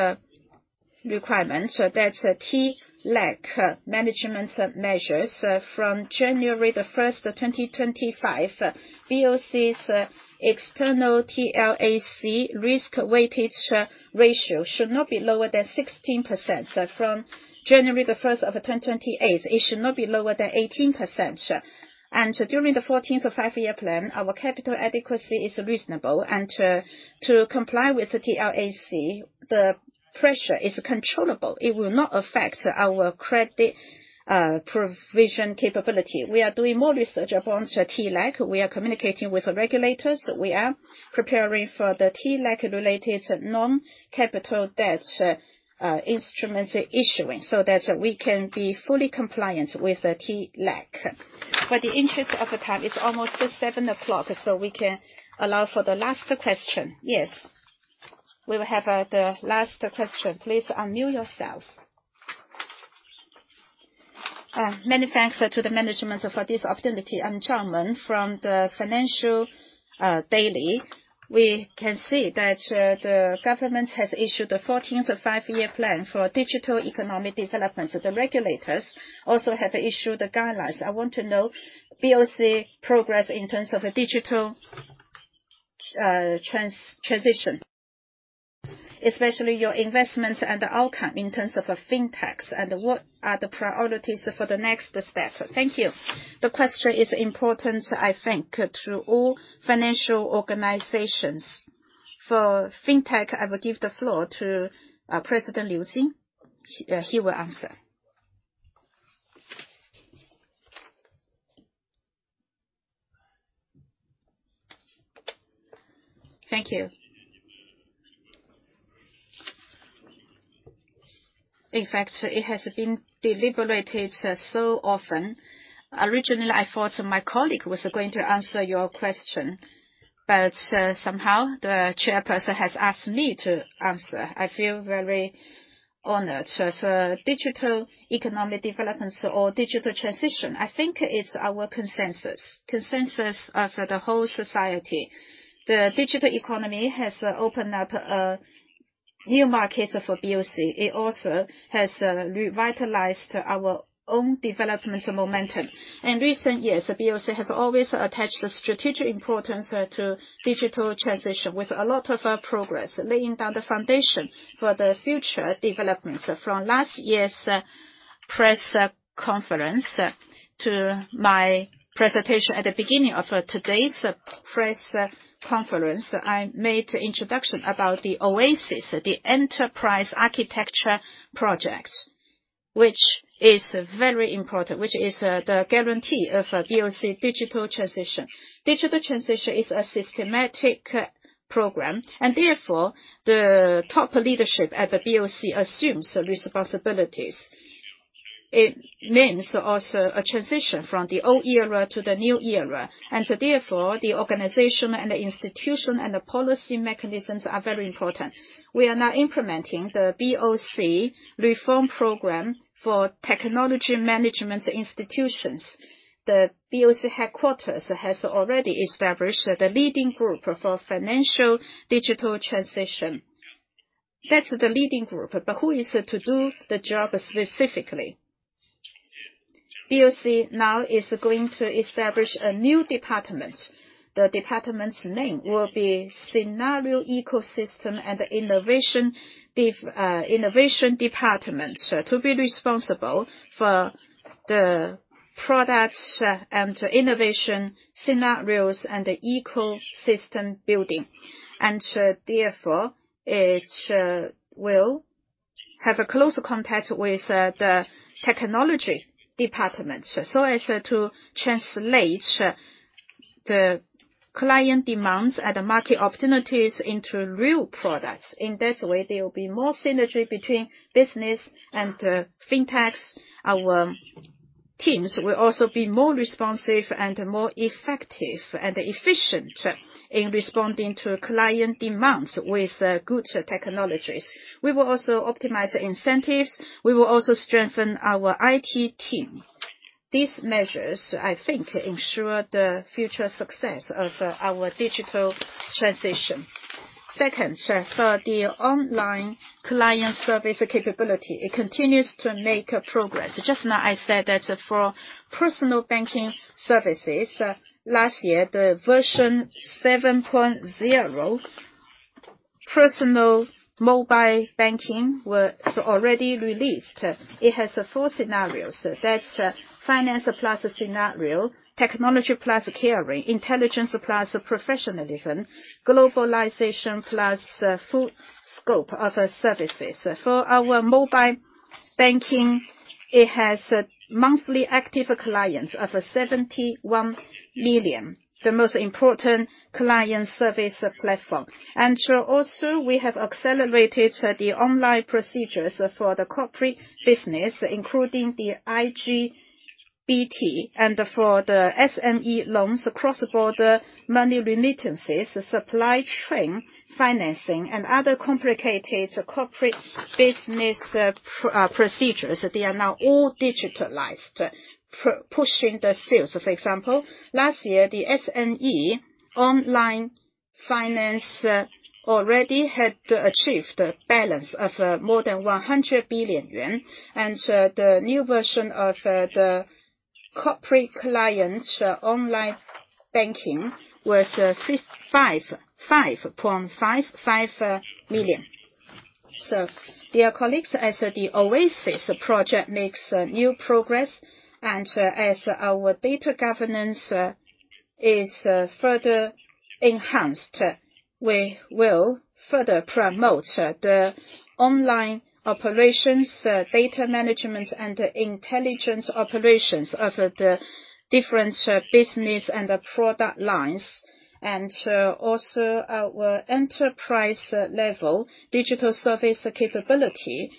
A: requirements, the TLAC management measures from January 1, 2025, BOC's external TLAC risk-weighted ratio should not be lower than 16% from January 1, 2028. It should not be lower than 18%. During the 14th Five-Year Plan, our capital adequacy is reasonable. To comply with the TLAC, the pressure is controllable. It will not affect our credit provision capability. We are doing more research upon TLAC. We are communicating with the regulators. We are preparing for the TLAC related non-capital debt instruments issuing so that we can be fully compliant with the TLAC. In the interest of time, it's almost 7 o'clock, so we can allow for the last question. Yes. We will have the last question. Please unmute yourself. Many thanks to the management for this opportunity. I'm Chang Meng from the Financial News. We can see that the government has issued the 14th Five-Year Plan for digital economic development. The regulators also have issued the guidelines. I want to know BOC progress in terms of a digital transition, especially your investments and outcome in terms of fintechs, and what are the priorities for the next step. Thank you. The question is important, I think, to all financial organizations. For fintech, I will give the floor to President Liu Jin. He will answer. Thank you. In fact, it has been deliberated so often. Originally, I thought my colleague was going to answer your question. Somehow the chairperson has asked me to answer. I feel very honored. For digital economic developments or digital transition, I think it's our consensus. Consensus of the whole society. The digital economy has opened up a new market for BOC. It also has revitalized our own development momentum. In recent years, BOC has always attached a strategic importance to digital transition with a lot of progress, laying down the foundation for the future developments. From last year's press conference to my presentation at the beginning of today's press conference, I made introduction about the OASIS, the enterprise architecture project, which is very important, which is the guarantee of BOC digital transition. Digital transition is a systematic program and therefore the top leadership at the BOC assumes responsibilities. It means also a transition from the old era to the new era, and so therefore the organization and the institution and the policy mechanisms are very important. We are now implementing the BOC reform program for technology management institutions. The BOC headquarters has already established the leading group for financial digital transition. That's the leading group, but who is to do the job specifically? BOC now is going to establish a new department. The department's name will be Scenario Ecosystem and Innovation Department, to be responsible for the products and innovation scenarios and the ecosystem building. And so therefore, it will have a close contact with the technology department so as to translate the client demands and the market opportunities into real products. In that way, there will be more synergy between business and fintechs. Our teams will also be more responsive and more effective and efficient in responding to client demands with good technologies. We will also optimize the incentives. We will also strengthen our IT team. These measures, I think, ensure the future success of our digital transition. Second, for the online client service capability, it continues to make progress. Just now I said that for personal banking services, last year, the version 7.0 personal mobile banking was already released. It has four scenarios. That's finance plus scenario, technology plus caring, intelligence plus professionalism, globalization plus full scope of services. For our mobile banking, it has monthly active clients of 71 million, the most important client service platform. We have accelerated the online procedures for the corporate business, including the iGTB and for the SME loans cross-border money remittances, supply chain financing and other complicated corporate business procedures. They are now all digitalized, pushing the sales. For example, last year, the SME online finance already had achieved a balance of more than 100 billion yuan. And so, the new version of the corporate client online banking was 5.55 million. Dear colleagues, as the OASIS Project makes new progress, and as our data governance is further enhanced, we will further promote the online operations, data management, and intelligence operations of the different business and the product lines. Our enterprise level digital service capability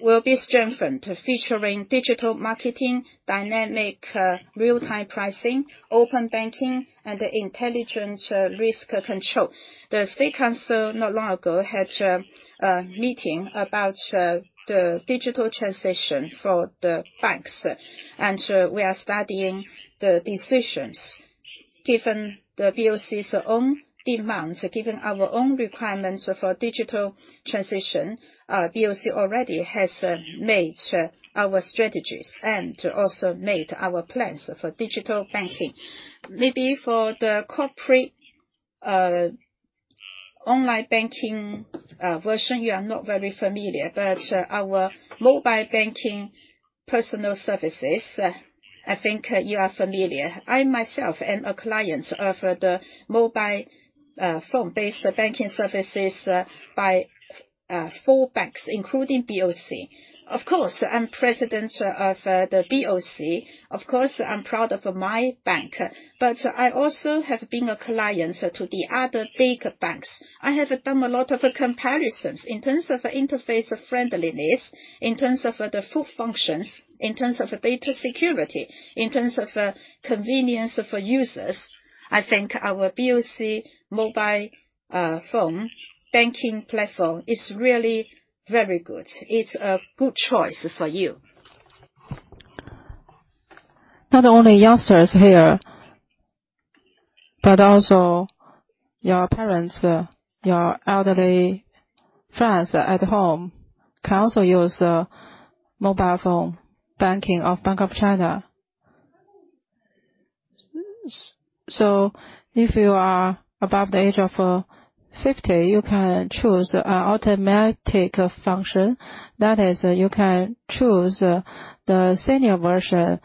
A: will be strengthened, featuring digital marketing, dynamic real-time pricing, open banking, and intelligence risk control. The State Council not long ago had a meeting about the digital transition for the banks, and we are studying the decisions. Given the BOC's own demands, given our own requirements for digital transition, BOC already has made our strategies and also made our plans for digital banking. Maybe for the corporate online banking version, you are not very familiar, but our mobile banking personal services, I think you are familiar. I myself am a client of the mobile, phone-based banking services by, four banks, including BOC. Of course, I'm President of the BOC. Of course, I'm proud of my bank, but I also have been a client to the other big banks. I have done a lot of comparisons in terms of interface friendliness, in terms of the full functions, in terms of data security, in terms of convenience for users. I think our BOC mobile, phone banking platform is really very good. It's a good choice for you. Not only youngsters here, but also your parents, your elderly, friends at home can also use mobile phone banking of Bank of China. So if you are above the age of 50, you can choose automatic function. That is, you can choose the senior version,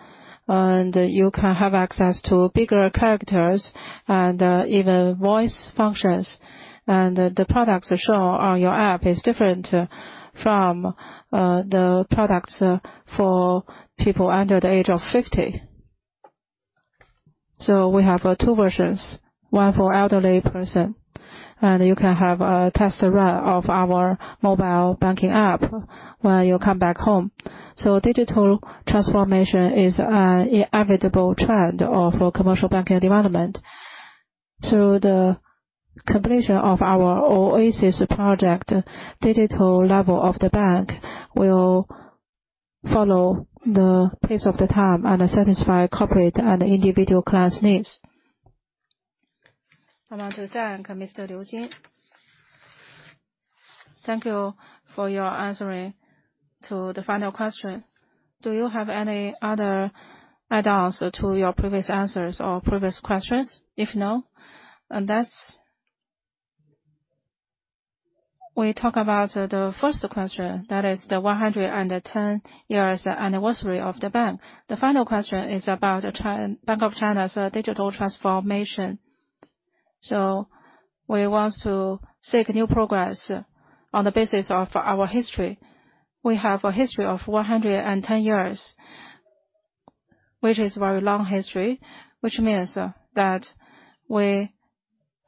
A: and you can have access to bigger characters and even voice functions. The products shown on your app is different from the products for people under the age of 50. So we have two versions, one for elderly person, and you can have a test run of our mobile banking app when you come back home. Digital transformation is an inevitable trend for commercial banking development. Through the completion of our OASIS Project, digital level of the bank will follow the pace of the time and satisfy corporate and individual class needs. I want to thank Mr. Liu Jin. Thank you for your answering to the final question. Do you have any other add-ons to your previous answers or previous questions? If no, and that's it. We talk about the first question, that is the 110 years anniversary of the bank. The final question is about Bank of China's digital transformation. So we want to seek new progress on the basis of our history. We have a history of 110 years, which is very long history, which means that we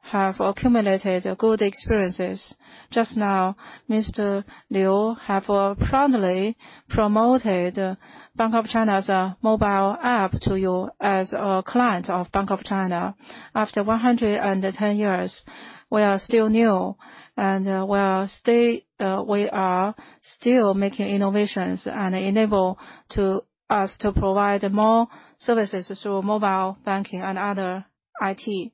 A: have accumulated good experiences. Just now, Mr. Liu have proudly promoted Bank of China's mobile app to you as a client of Bank of China. After 110 years, we are still new, and we are still making innovations and enable to us to provide more services through mobile banking and other IT.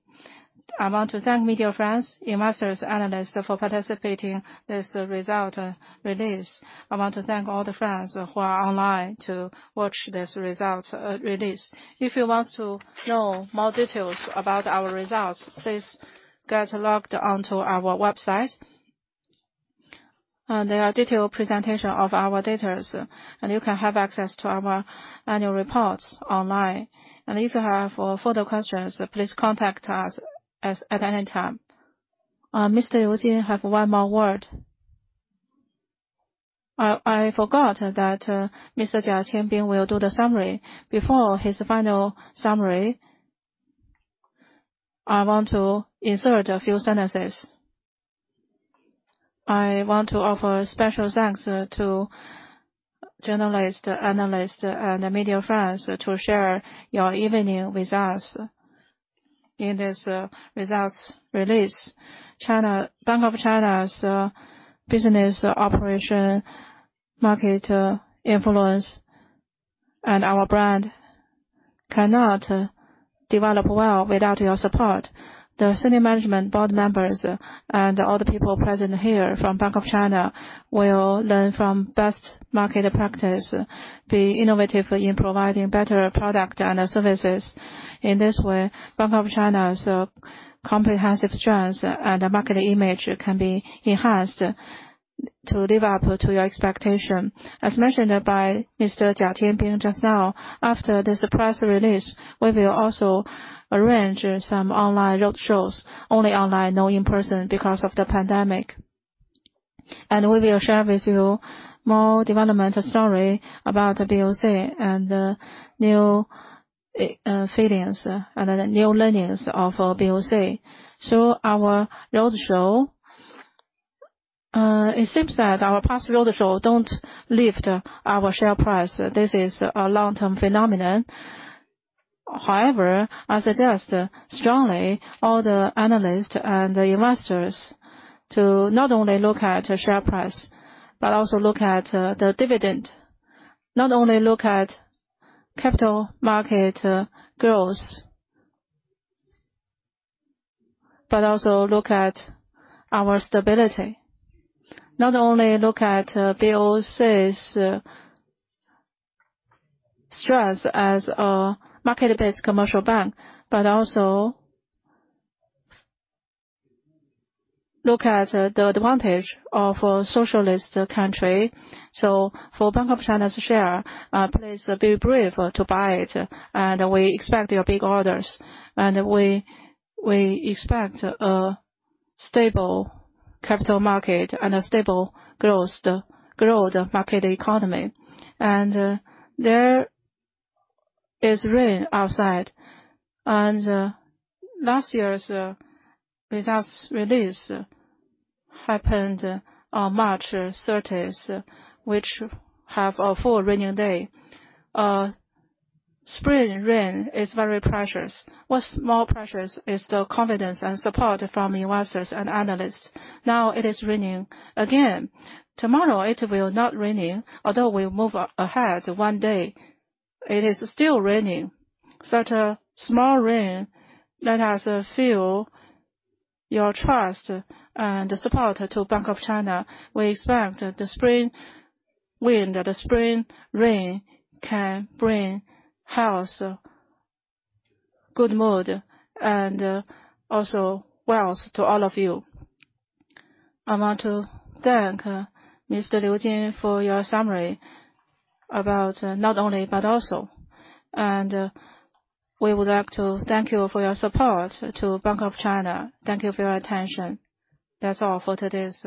A: I want to thank media friends, investors, analysts for participating this result release. I want to thank all the friends who are online to watch this results release. If you want to know more details about our results, please get logged onto our website. There are detailed presentation of our data, and you can have access to our annual reports online. If you have further questions, please contact us at any time. Mr. Liu Jin have one more word. I forgot that Mr. Jia Tianbing will do the summary. Before his final summary, I want to insert a few sentences. I want to offer special thanks to journalists, analysts, and media friends to share your evening with us in this results release. Bank of China's business operation, market influence, and our brand cannot develop well without your support. The senior management board members and all the people present here from Bank of China will learn from best market practice, be innovative in providing better product and services. In this way, Bank of China's comprehensive strength and market image can be enhanced to live up to your expectation. As mentioned by Mr. Jia Tianbing just now, after this press release, we will also arrange some online roadshows, only online, no in person because of the pandemic. We will share with you more development story about BOC and new feelings and the new learnings of BOC. Our roadshow, it seems that our past roadshow don't lift our share price. This is a long-term phenomenon. However, I suggest strongly all the analysts and the investors to not only look at share price, but also look at the dividend. Not only look at capital market growth, but also look at our stability. Not only look at BOC's strength as a market-based commercial bank, but also look at the advantage of a socialist country. So, for Bank of China's share, please be brave to buy it, and we expect your big orders. And we expect a stable capital market and a stable growth market economy. There is rain outside. Last year's results release happened on March 30, which have a full rainy day. Spring rain is very precious. What's more precious is the confidence and support from investors and analysts. Now it is raining again. Tomorrow it will not raining. Although we move ahead one day, it is still raining. Such a small rain let us feel your trust and support to Bank of China. We expect the spring wind or the spring rain can bring health, good mood, and also wealth to all of you. I want to thank Mr. Liu Jin for your summary about not only, but also. And we would like to thank you for your support to Bank of China. Thank you for your attention. That's all for today's.